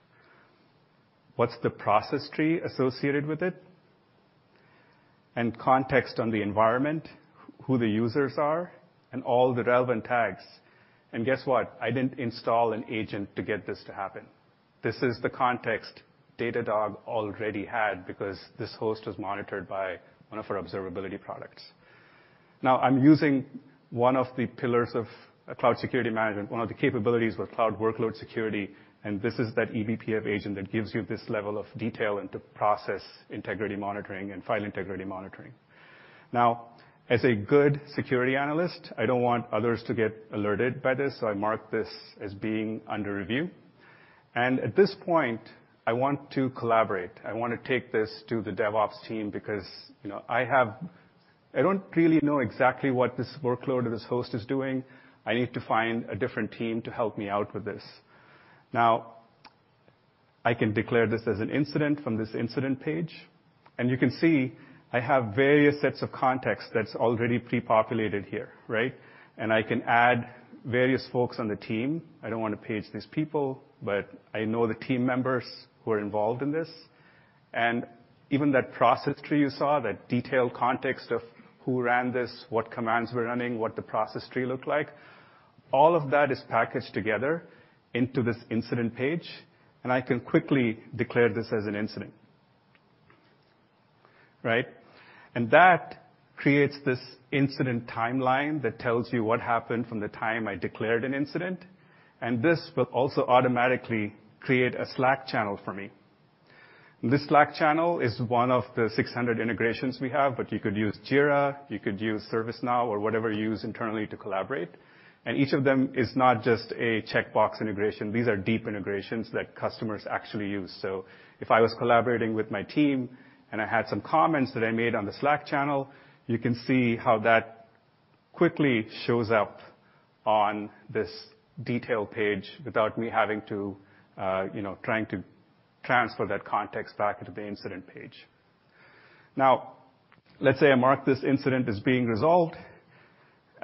Speaker 16: what's the process tree associated with it, and context on the environment, who the users are, and all the relevant tags. Guess what? I didn't install an agent to get this to happen. This is the context Datadog already had because this host was monitored by one of our observability products. Now, I'm using one of the pillars of Cloud Security Management, one of the capabilities with Cloud Workload Security, and this is that eBPF agent that gives you this level of detail into process integrity monitoring and file integrity monitoring. Now, as a good security analyst, I don't want others to get alerted by this, so I mark this as being under review. At this point, I want to collaborate. I wanna take this to the DevOps team because, you know, I have. I don't really know exactly what this workload or this host is doing. I need to find a different team to help me out with this. Now, I can declare this as an incident from this incident page, and you can see I have various sets of context that's already pre-populated here, right? I can add various folks on the team. I don't wanna page these people, but I know the team members who are involved in this. Even that process tree you saw, that detailed context of who ran this, what commands were running, what the process tree looked like, all of that is packaged together into this incident page, and I can quickly declare this as an incident. Right? That creates this incident timeline that tells you what happened from the time I declared an incident, and this will also automatically create a Slack channel for me. This Slack channel is one of the 600 integrations we have, but you could use Jira, you could use ServiceNow or whatever you use internally to collaborate. Each of them is not just a checkbox integration. These are deep integrations that customers actually use. If I was collaborating with my team and I had some comments that I made on the Slack channel, you can see how that quickly shows up on this detail page without me having to, trying to transfer that context back into the incident page. Now, let's say I mark this incident as being resolved.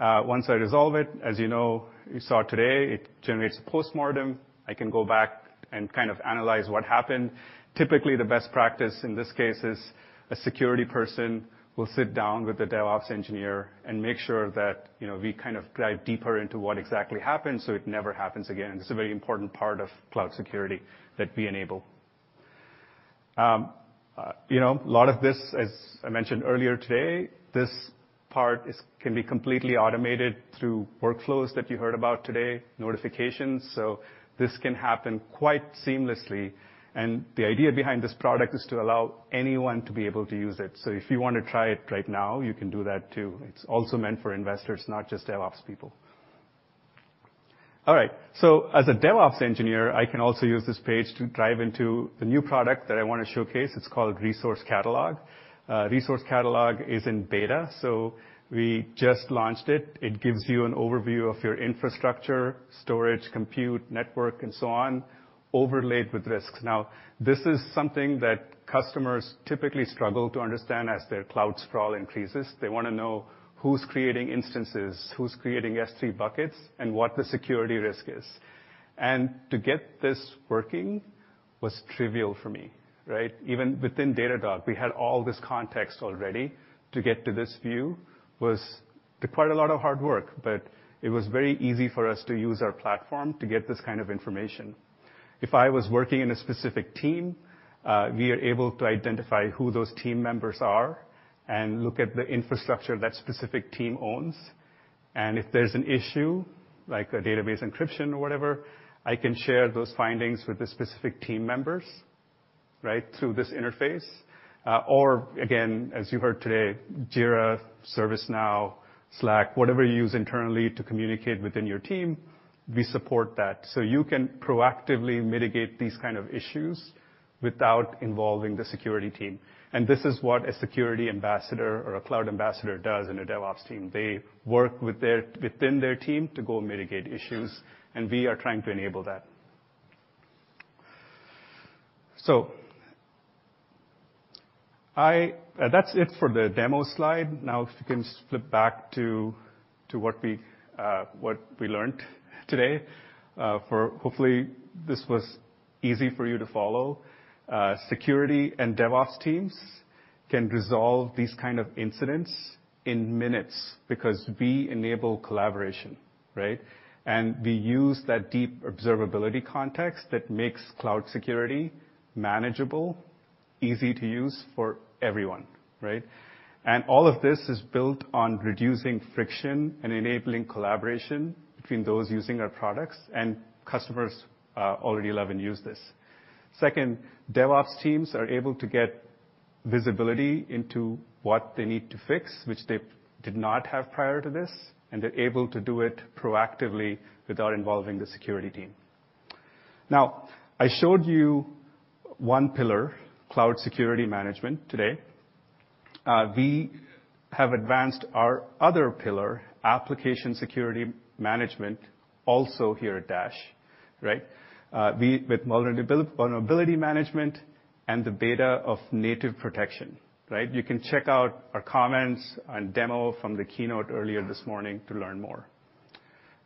Speaker 16: Once I resolve it, as you know, you saw today, it generates a postmortem. I can go back and kind of analyze what happened. Typically, the best practice in this case is a security person will sit down with the DevOps engineer and make sure that we kind of dive deeper into what exactly happened, so it never happens again. This is a very important part of cloud security that we enable. You know, a lot of this, as I mentioned earlier today, this part can be completely automated through workflows that you heard about today, notifications. This can happen quite seamlessly. The idea behind this product is to allow anyone to be able to use it. If you wanna try it right now, you can do that too. It's also meant for investors, not just DevOps people. All right. As a DevOps engineer, I can also use this page to dive into the new product that I wanna showcase. It's called Resource Catalog. Resource Catalog is in beta, so we just launched it. It gives you an overview of your infrastructure, storage, compute, network, and so on, overlaid with risks. Now, this is something that customers typically struggle to understand as their cloud sprawl increases. They wanna know who's creating instances, who's creating S3 buckets, and what the security risk is. To get this working was trivial for me, right? Even within Datadog, we had all this context already. To get to this view was quite a lot of hard work, but it was very easy for us to use our platform to get this kind of information. If I was working in a specific team, we are able to identify who those team members are and look at the infrastructure that specific team owns. If there's an issue, like a database encryption or whatever, I can share those findings with the specific team members, right? Through this interface. Again, as you heard today, Jira, ServiceNow, Slack, whatever you use internally to communicate within your team, we support that. You can proactively mitigate these kind of issues without involving the security team. This is what a security ambassador or a cloud ambassador does in a DevOps team. They work within their team to go mitigate issues, and we are trying to enable that. That's it for the demo slide. Now if you can flip back to what we learned today, and hopefully this was easy for you to follow. Security and DevOps teams can resolve these kind of incidents in minutes because we enable collaboration, right? We use that deep observability context that makes cloud security manageable, easy to use for everyone, right? All of this is built on reducing friction and enabling collaboration between those using our products and customers already love and use this. Second, DevOps teams are able to get visibility into what they need to fix, which they did not have prior to this, and they're able to do it proactively without involving the security team. Now, I showed you one pillar, cloud security management today. We have advanced our other pillar, application security management, also here at Dash, right? With vulnerability management and the beta of native protection, right? You can check out our comments and demo from the keynote earlier this morning to learn more.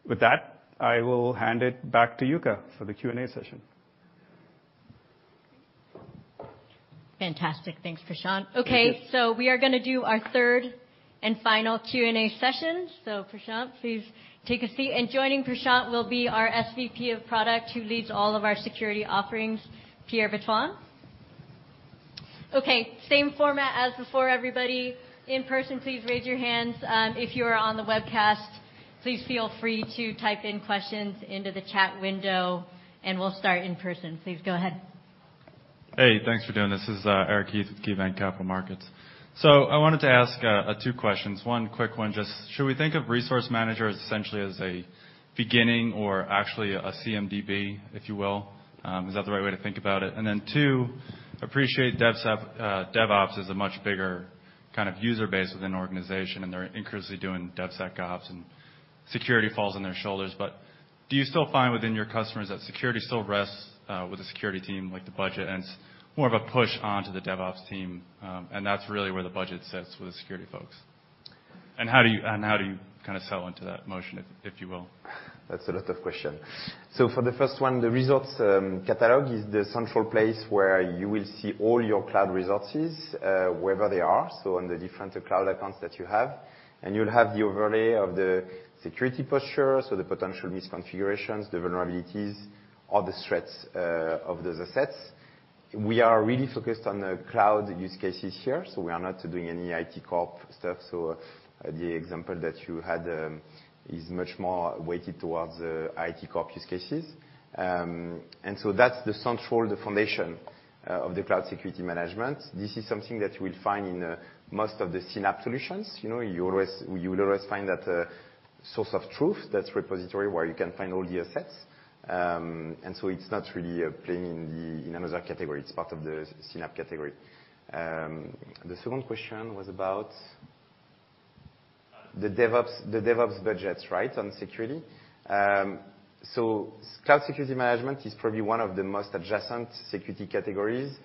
Speaker 16: With that, I will hand it back to Yuka for the Q&A session.
Speaker 1: Fantastic. Thanks, Prashant. Okay, we are gonna do our third and final Q&A session. Prashant, please take a seat. Joining Prashant will be our SVP of product who leads all of our security offerings, Pierre Betouin. Okay, same format as before, everybody. In person, please raise your hands. If you are on the webcast, please feel free to type in questions into the chat window, and we'll start in person. Please go ahead.
Speaker 17: Hey, thanks for doing this. This is Eric Heath with KeyBanc Capital Markets. I wanted to ask two questions. One quick one, just should we think of resource manager essentially as a beginning or actually a CMDB, if you will? Is that the right way to think about it? Two, appreciate DevOps is a much bigger kind of user base within an organization, and they're increasingly doing DevSecOps, and security falls on their shoulders. Do you still find within your customers that security still rests with the security team, like the budget, and it's more of a push onto the DevOps team, and that's really where the budget sits with the security folks? How do you kinda sell into that motion, if you will?
Speaker 18: That's a lot of question. For the first one, the Resource Catalog is the central place where you will see all your cloud resources, wherever they are, so on the different cloud accounts that you have. You'll have the overlay of the security posture, the potential misconfigurations, the vulnerabilities, or the threats of those assets. We are really focused on the cloud use cases here, we are not doing any IT corp stuff. The example that you had is much more weighted towards the IT corp use cases. That's the central, the foundation of the Cloud Security Management. This is something that you will find in most of the CNAPP solutions. You know, you always, you will always find that source of truth, that repository where you can find all the assets. It's not really playing in the, in another category. It's part of the CNAPP category. The second question was about the DevOps budgets, right, on security. Cloud Security Management is probably one of the most adjacent security categories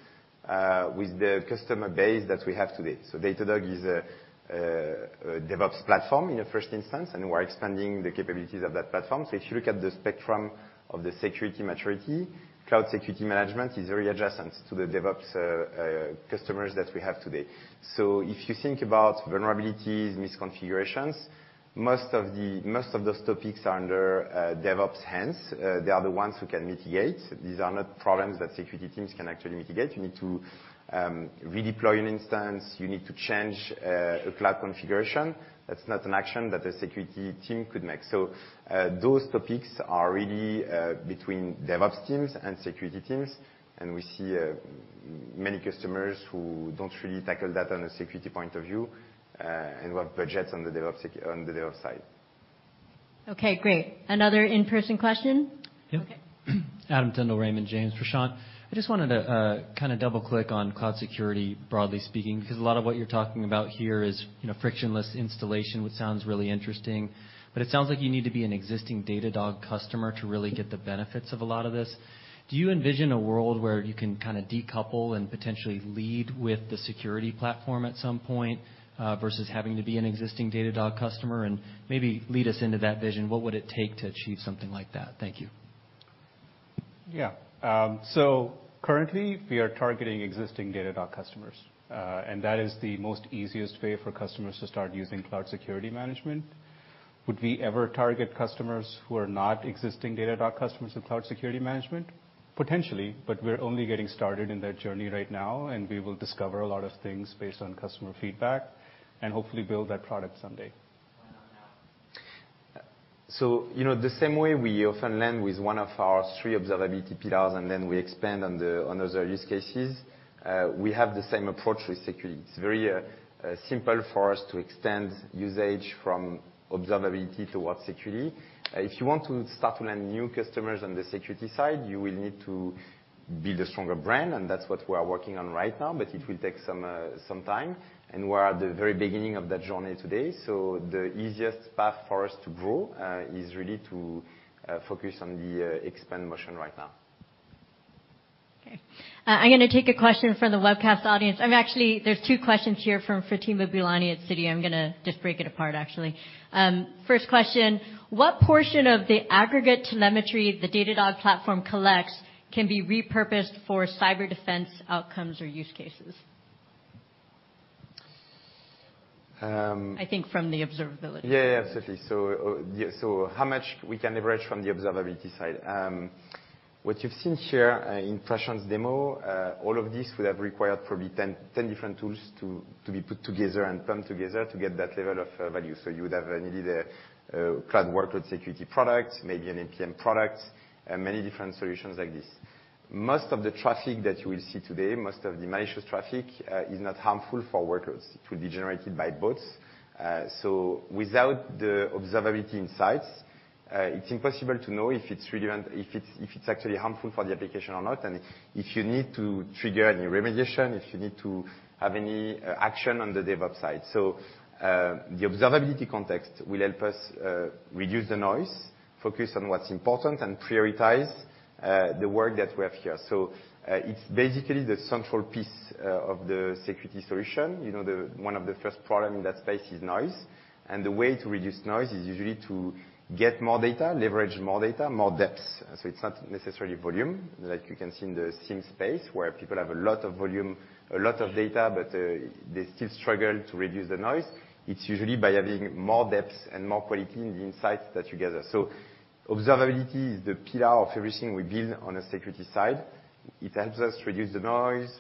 Speaker 18: with the customer base that we have today. Datadog is a DevOps platform in the first instance, and we're expanding the capabilities of that platform. If you look at the spectrum of the security maturity, Cloud Security Management is very adjacent to the DevOps customers that we have today. If you think about vulnerabilities, misconfigurations, most of those topics are under DevOps' hands. They are the ones who can mitigate. These are not problems that security teams can actually mitigate. You need to redeploy an instance. You need to change a cloud configuration. That's not an action that the security team could make. Those topics are really between DevOps teams and security teams, and we see many customers who don't really tackle that on a security point of view, and want budgets on the DevOps side.
Speaker 1: Okay, great. Another in-person question?
Speaker 19: Yeah.
Speaker 1: Okay.
Speaker 19: Adam Tindle, Raymond James. Prashant, I just wanted to kinda double-click on cloud security, broadly speaking, because a lot of what you're talking about here is, you know, frictionless installation, which sounds really interesting. It sounds like you need to be an existing Datadog customer to really get the benefits of a lot of this. Do you envision a world where you can kinda decouple and potentially lead with the security platform at some point versus having to be an existing Datadog customer? Maybe lead us into that vision. What would it take to achieve something like that? Thank you.
Speaker 16: Yeah. Currently, we are targeting existing Datadog customers, and that is the most easiest way for customers to start using Cloud Security Management. Would we ever target customers who are not existing Datadog customers with Cloud Security Management? Potentially, but we're only getting started in that journey right now, and we will discover a lot of things based on customer feedback, and hopefully build that product someday.
Speaker 18: You know, the same way we often land with one of our three observability pillars, and then we expand on those use cases, we have the same approach with security. It's very simple for us to extend usage from observability towards security. If you want to start with new customers on the security side, you will need to build a stronger brand, and that's what we are working on right now, but it will take some time. We're at the very beginning of that journey today. The easiest path for us to grow is really to focus on the expand motion right now.
Speaker 1: Okay. I'm gonna take a question from the webcast audience. Actually, there's two questions here from Fatima Boolani at Citi. I'm gonna just break it apart, actually. First question, what portion of the aggregate telemetry the Datadog platform collects can be repurposed for cyber defense outcomes or use cases?
Speaker 18: Um-
Speaker 1: I think from the observability.
Speaker 18: Yeah, yeah. Absolutely. How much we can leverage from the observability side. What you've seen here, in Prashant's demo, all of this would have required probably 10 different tools to be put together and come together to get that level of value. You would have needed a Cloud Workload Security product, maybe an APM product, many different solutions like this. Most of the traffic that you will see today, most of the malicious traffic, is not harmful to workloads. It will be generated by bots. Without the observability insights, it's impossible to know if it's relevant, if it's actually harmful for the application or not, and if you need to trigger any remediation, if you need to have any action on the DevOps side. The observability context will help us reduce the noise, focus on what's important and prioritize the work that we have here. It's basically the central piece of the security solution. You know, one of the first problem in that space is noise. The way to reduce noise is usually to get more data, leverage more data, more depth. It's not necessarily volume, like you can see in the SIEM space, where people have a lot of volume, a lot of data, but they still struggle to reduce the noise. It's usually by having more depth and more quality in the insights that you gather. Observability is the pillar of everything we build on the security side. It helps us reduce the noise,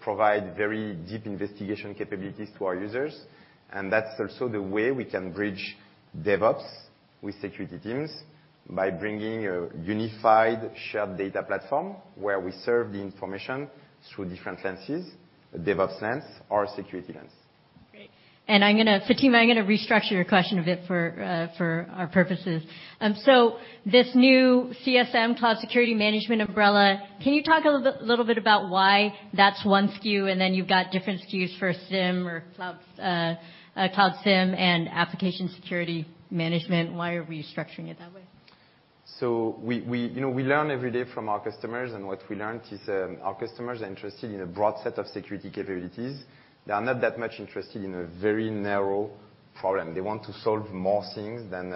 Speaker 18: provide very deep investigation capabilities to our users. That's also the way we can bridge DevOps with security teams by bringing a unified shared data platform where we serve the information through different lenses, a DevOps lens or a security lens.
Speaker 1: Great. Fatima, I'm gonna restructure your question a bit for our purposes. So this new CSM, Cloud Security Management umbrella, can you talk a little bit about why that's one SKU, and then you've got different SKUs for SIEM or Cloud SIEM and Application Security Management, and why are we structuring it that way?
Speaker 18: We learn every day from our customers, and what we learned is our customers are interested in a broad set of security capabilities. They are not that much interested in a very narrow problem. They want to solve more things than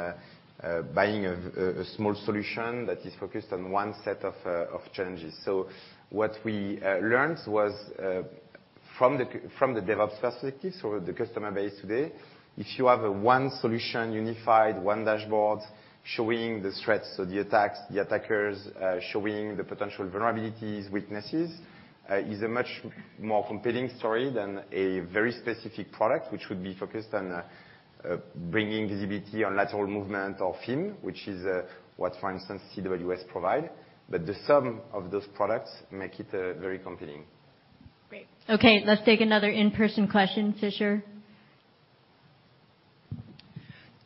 Speaker 18: buying a small solution that is focused on one set of challenges. What we learned was from the DevOps perspective, so the customer base today, if you have a one solution unified, one dashboard showing the threats, so the attacks, the attackers, showing the potential vulnerabilities, weaknesses, is a much more compelling story than a very specific product, which would be focused on bringing visibility on lateral movement or FIM, which is what for instance CWS provide. The sum of those products make it very compelling.
Speaker 1: Great. Okay, let's take another in-person question. Fisher?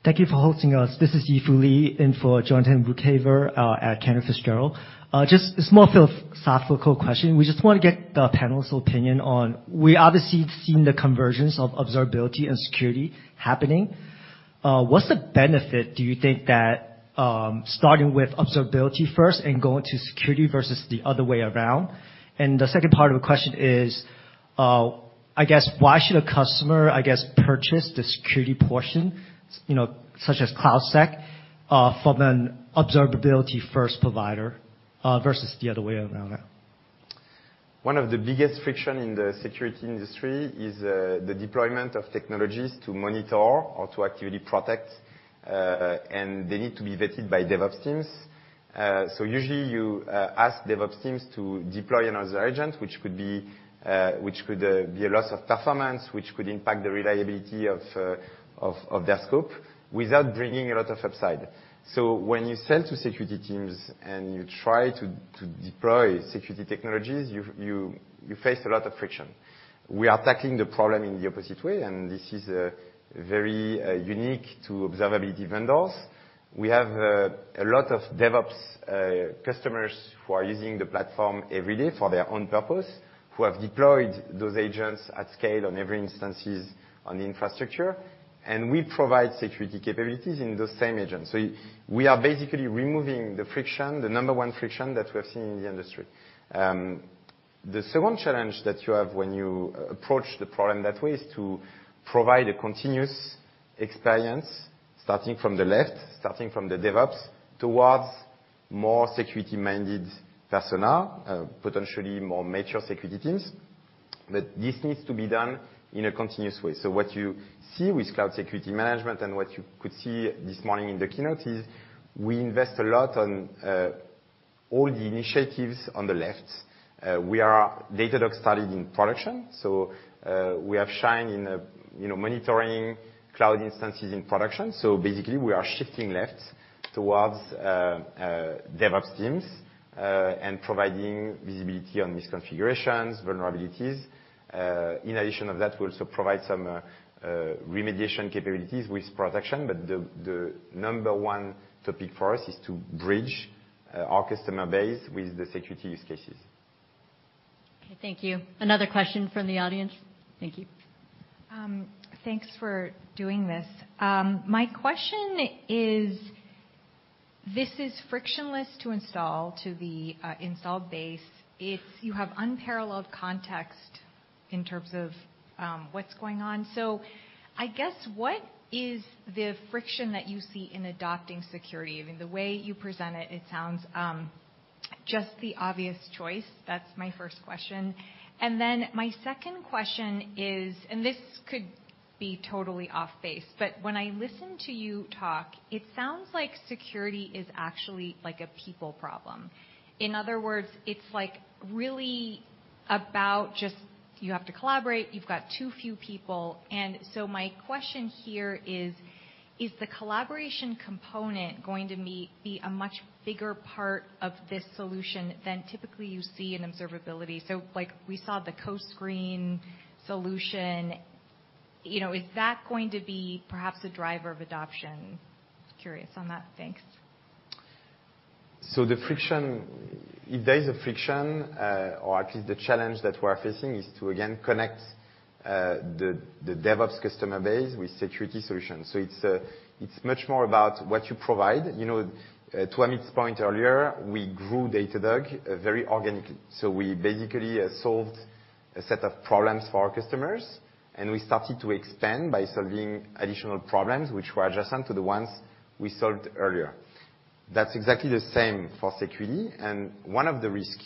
Speaker 20: Thank you for hosting us. This is Yi Fu Lee in for Jonathan Ho at Canaccord Genuity. Just a small philosophical question. We just wanna get the panel's opinion on We obviously have seen the convergence of observability and security happening. What's the benefit, do you think, that starting with observability first and going to security versus the other way around? The second part of the question is, I guess, why should a customer, I guess, purchase the security portion, you know, such as CloudSec, from an observability first provider, versus the other way around?
Speaker 18: One of the biggest friction in the security industry is the deployment of technologies to monitor or to actually protect, and they need to be vetted by DevOps teams. Usually you ask DevOps teams to deploy another agent, which could be a loss of performance, which could impact the reliability of their scope without bringing a lot of upside. When you sell to security teams and you try to deploy security technologies, you face a lot of friction. We are tackling the problem in the opposite way, and this is very unique to observability vendors. We have a lot of DevOps customers who are using the platform every day for their own purpose, who have deployed those agents at scale on every instances on the infrastructure, and we provide security capabilities in those same agents. We are basically removing the friction, the number one friction that we have seen in the industry. The second challenge that you have when you approach the problem that way is to provide a continuous experience, starting from the left, starting from the DevOps, towards more security-minded persona, potentially more mature security teams. This needs to be done in a continuous way. What you see with Cloud Security Management and what you could see this morning in the keynote is we invest a lot on all the initiatives on the left. We are Datadog started in production, so we have shined in, you know, monitoring cloud instances in production. Basically, we are shifting left towards DevOps teams and providing visibility on misconfigurations, vulnerabilities. In addition to that, we also provide some remediation capabilities with protection. The number one topic for us is to bridge our customer base with the security use cases.
Speaker 1: Okay, thank you. Another question from the audience. Thank you.
Speaker 12: Thanks for doing this. My question is, this is frictionless to install to the install base. You have unparalleled context in terms of what's going on. I guess, what is the friction that you see in adopting security? I mean, the way you present it sounds just the obvious choice. That's my first question. Then my second question is, and this could be totally off-base, but when I listen to you talk, it sounds like security is actually like a people problem. In other words, it's like really about just you have to collaborate, you've got too few people. My question here is the collaboration component going to be a much bigger part of this solution than typically you see in observability? Like, we saw the CoScreen solution. You know, is that going to be perhaps a driver of adoption? Curious on that. Thanks.
Speaker 18: If there is friction, or at least the challenge that we're facing is to again connect the DevOps customer base with security solutions. It's much more about what you provide. You know, to Amit's point earlier, we grew Datadog very organically. We basically solved a set of problems for our customers, and we started to expand by solving additional problems which were adjacent to the ones we solved earlier. That's exactly the same for security. One of the risk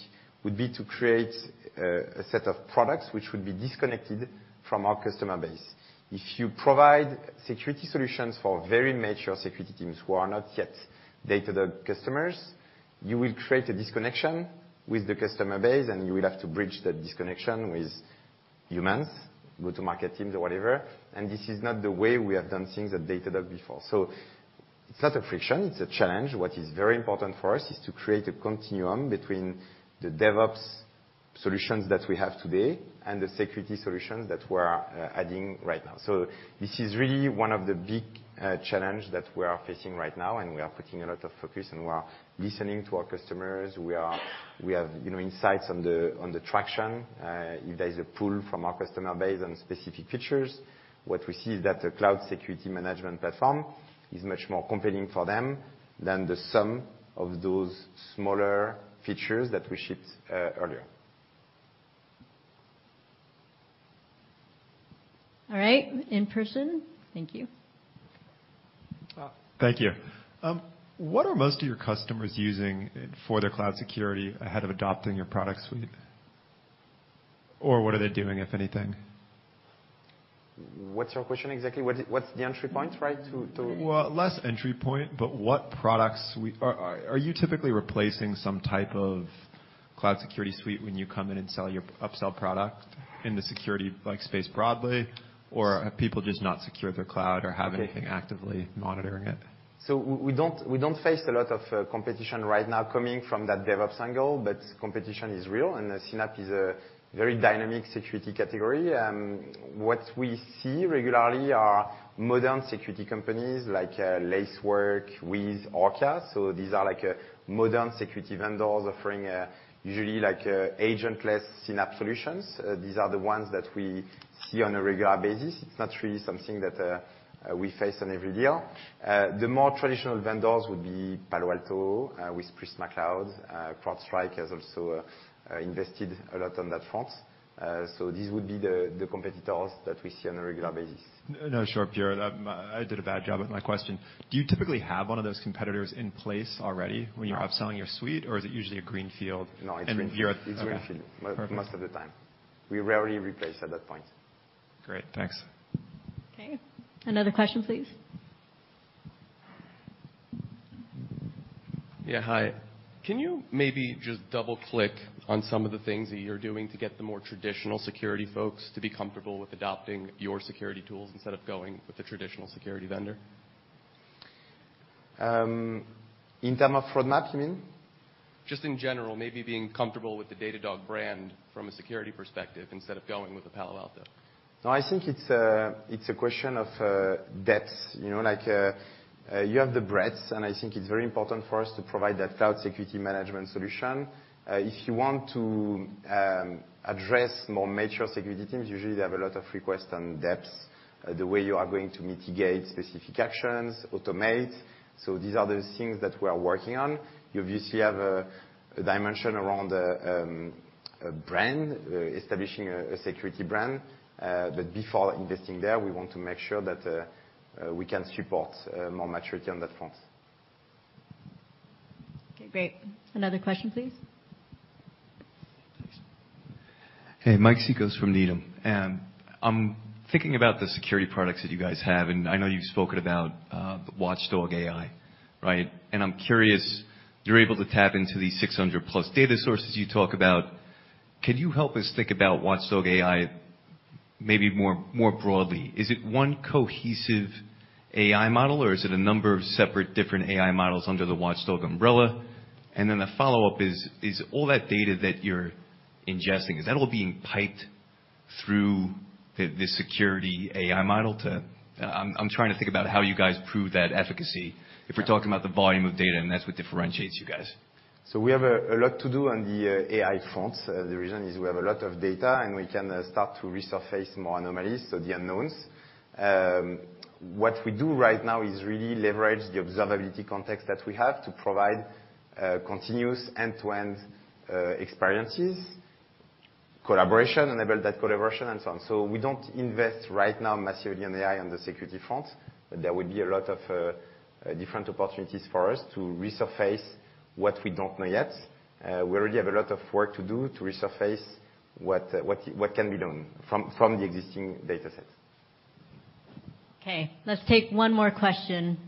Speaker 18: would be to create a set of products which would be disconnected from our customer base. If you provide security solutions for very mature security teams who are not yet Datadog customers, you will create a disconnection with the customer base, and you will have to bridge that disconnection with humans, go-to-market teams or whatever. This is not the way we have done things at Datadog before. It's not a friction, it's a challenge. What is very important for us is to create a continuum between the DevOps solutions that we have today and the security solutions that we are adding right now. This is really one of the big challenge that we are facing right now, and we are putting a lot of focus, and we are listening to our customers. We have, you know, insights on the traction if there is a pull from our customer base on specific features. What we see is that the Cloud Security Management platform is much more compelling for them than the sum of those smaller features that we shipped earlier.
Speaker 1: All right. In person. Thank you.
Speaker 21: Thank you. What are most of your customers using for their cloud security ahead of adopting your product suite? Or what are they doing, if anything?
Speaker 18: What's your question exactly?
Speaker 21: Well, are you typically replacing some type of cloud security suite when you come in and sell your upsell product in the security, like, space broadly? Or have people just not secured their cloud or have anything actively monitoring it?
Speaker 18: We don't face a lot of competition right now coming from that DevOps angle, but competition is real, and CNAPP is a very dynamic security category. What we see regularly are modern security companies like Lacework with Orca. These are like modern security vendors offering usually like agentless CNAPP solutions. These are the ones that we see on a regular basis. It's not really something that we face on every deal. The more traditional vendors would be Palo Alto with Prisma Cloud. CrowdStrike has also invested a lot on that front. These would be the competitors that we see on a regular basis.
Speaker 21: No, sure, Pierre. I did a bad job with my question. Do you typically have one of those competitors in place already when you're upselling your suite, or is it usually a green field?
Speaker 18: No, it's greenfield. Okay.
Speaker 22: It's green field most of the time. We rarely replace at that point.
Speaker 23: Great. Thanks.
Speaker 1: Okay, another question, please.
Speaker 7: Yeah, hi. Can you maybe just double-click on some of the things that you're doing to get the more traditional security folks to be comfortable with adopting your security tools instead of going with the traditional security vendor?
Speaker 18: In terms of roadmap, you mean?
Speaker 24: Just in general, maybe being comfortable with the Datadog brand from a security perspective instead of going with a Palo Alto.
Speaker 18: No, I think it's a question of depth. You know, like, you have the breadth, and I think it's very important for us to provide that Cloud Security Management solution. If you want to address more mature security teams, usually they have a lot of requests on depths, the way you are going to mitigate specific actions, automate. These are the things that we are working on. You obviously have a dimension around a brand, establishing a security brand. Before investing there, we want to make sure that we can support more maturity on that front.
Speaker 1: Okay, great. Another question, please.
Speaker 25: Thanks. Hey, Mike Cikos from Needham. I'm thinking about the security products that you guys have, and I know you've spoken about Watchdog AI, right? I'm curious, you're able to tap into these 600+ data sources you talk about. Can you help us think about Watchdog AI maybe more broadly? Is it one cohesive AI model, or is it a number of separate different AI models under the Watchdog umbrella? The follow-up is all that data that you're ingesting, is that all being piped through the security AI model to, I'm trying to think about how you guys prove that efficacy if we're talking about the volume of data, and that's what differentiates you guys.
Speaker 18: We have a lot to do on the AI front. The reason is we have a lot of data, and we can start to resurface more anomalies, so the unknowns. What we do right now is really leverage the observability context that we have to provide continuous end-to-end experiences, collaboration, enable that collaboration and so on. We don't invest right now massively in AI on the security front. There would be a lot of different opportunities for us to resurface what we don't know yet. We already have a lot of work to do to resurface what can be known from the existing datasets.
Speaker 1: Okay, let's take one more question.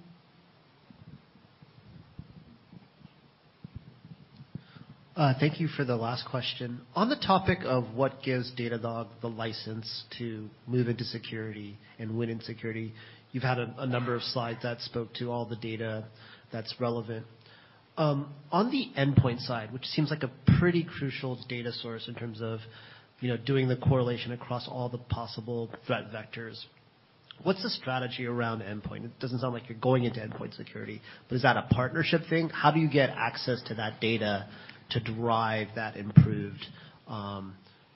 Speaker 3: Thank you for the last question. On the topic of what gives Datadog the license to move into security and win in security, you've had a number of slides that spoke to all the data that's relevant. On the endpoint side, which seems like a pretty crucial data source in terms of, you know, doing the correlation across all the possible threat vectors, what's the strategy around endpoint? It doesn't sound like you're going into endpoint security, but is that a partnership thing? How do you get access to that data to drive that improved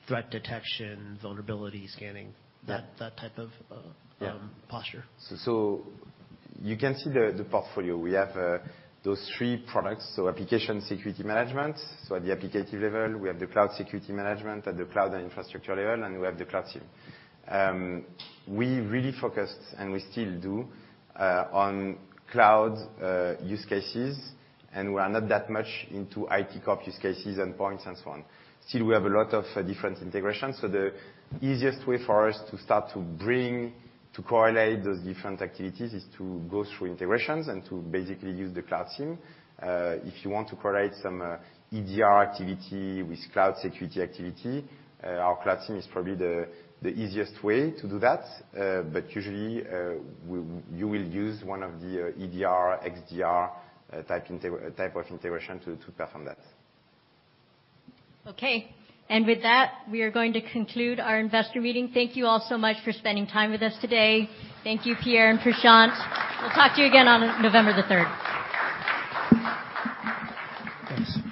Speaker 3: threat detection, vulnerability scanning, that type of
Speaker 18: Yeah
Speaker 3: posture?
Speaker 18: You can see the portfolio. We have those three products: Application Security Management at the application level, Cloud Security Management at the cloud and infrastructure level, and Cloud SIEM. We really focused, and we still do, on cloud use cases, and we are not that much into IT/OT use cases, endpoints and so on. We have a lot of different integrations, so the easiest way for us to start to correlate those different activities is to go through integrations and to basically use the Cloud SIEM. If you want to correlate some EDR activity with cloud security activity, our Cloud SIEM is probably the easiest way to do that. You will use one of the EDR, XDR type of integration to perform that.
Speaker 1: Okay. With that, we are going to conclude our investor meeting. Thank you all so much for spending time with us today. Thank you, Pierre and Prashant. We'll talk to you again on November the third.
Speaker 22: Thanks.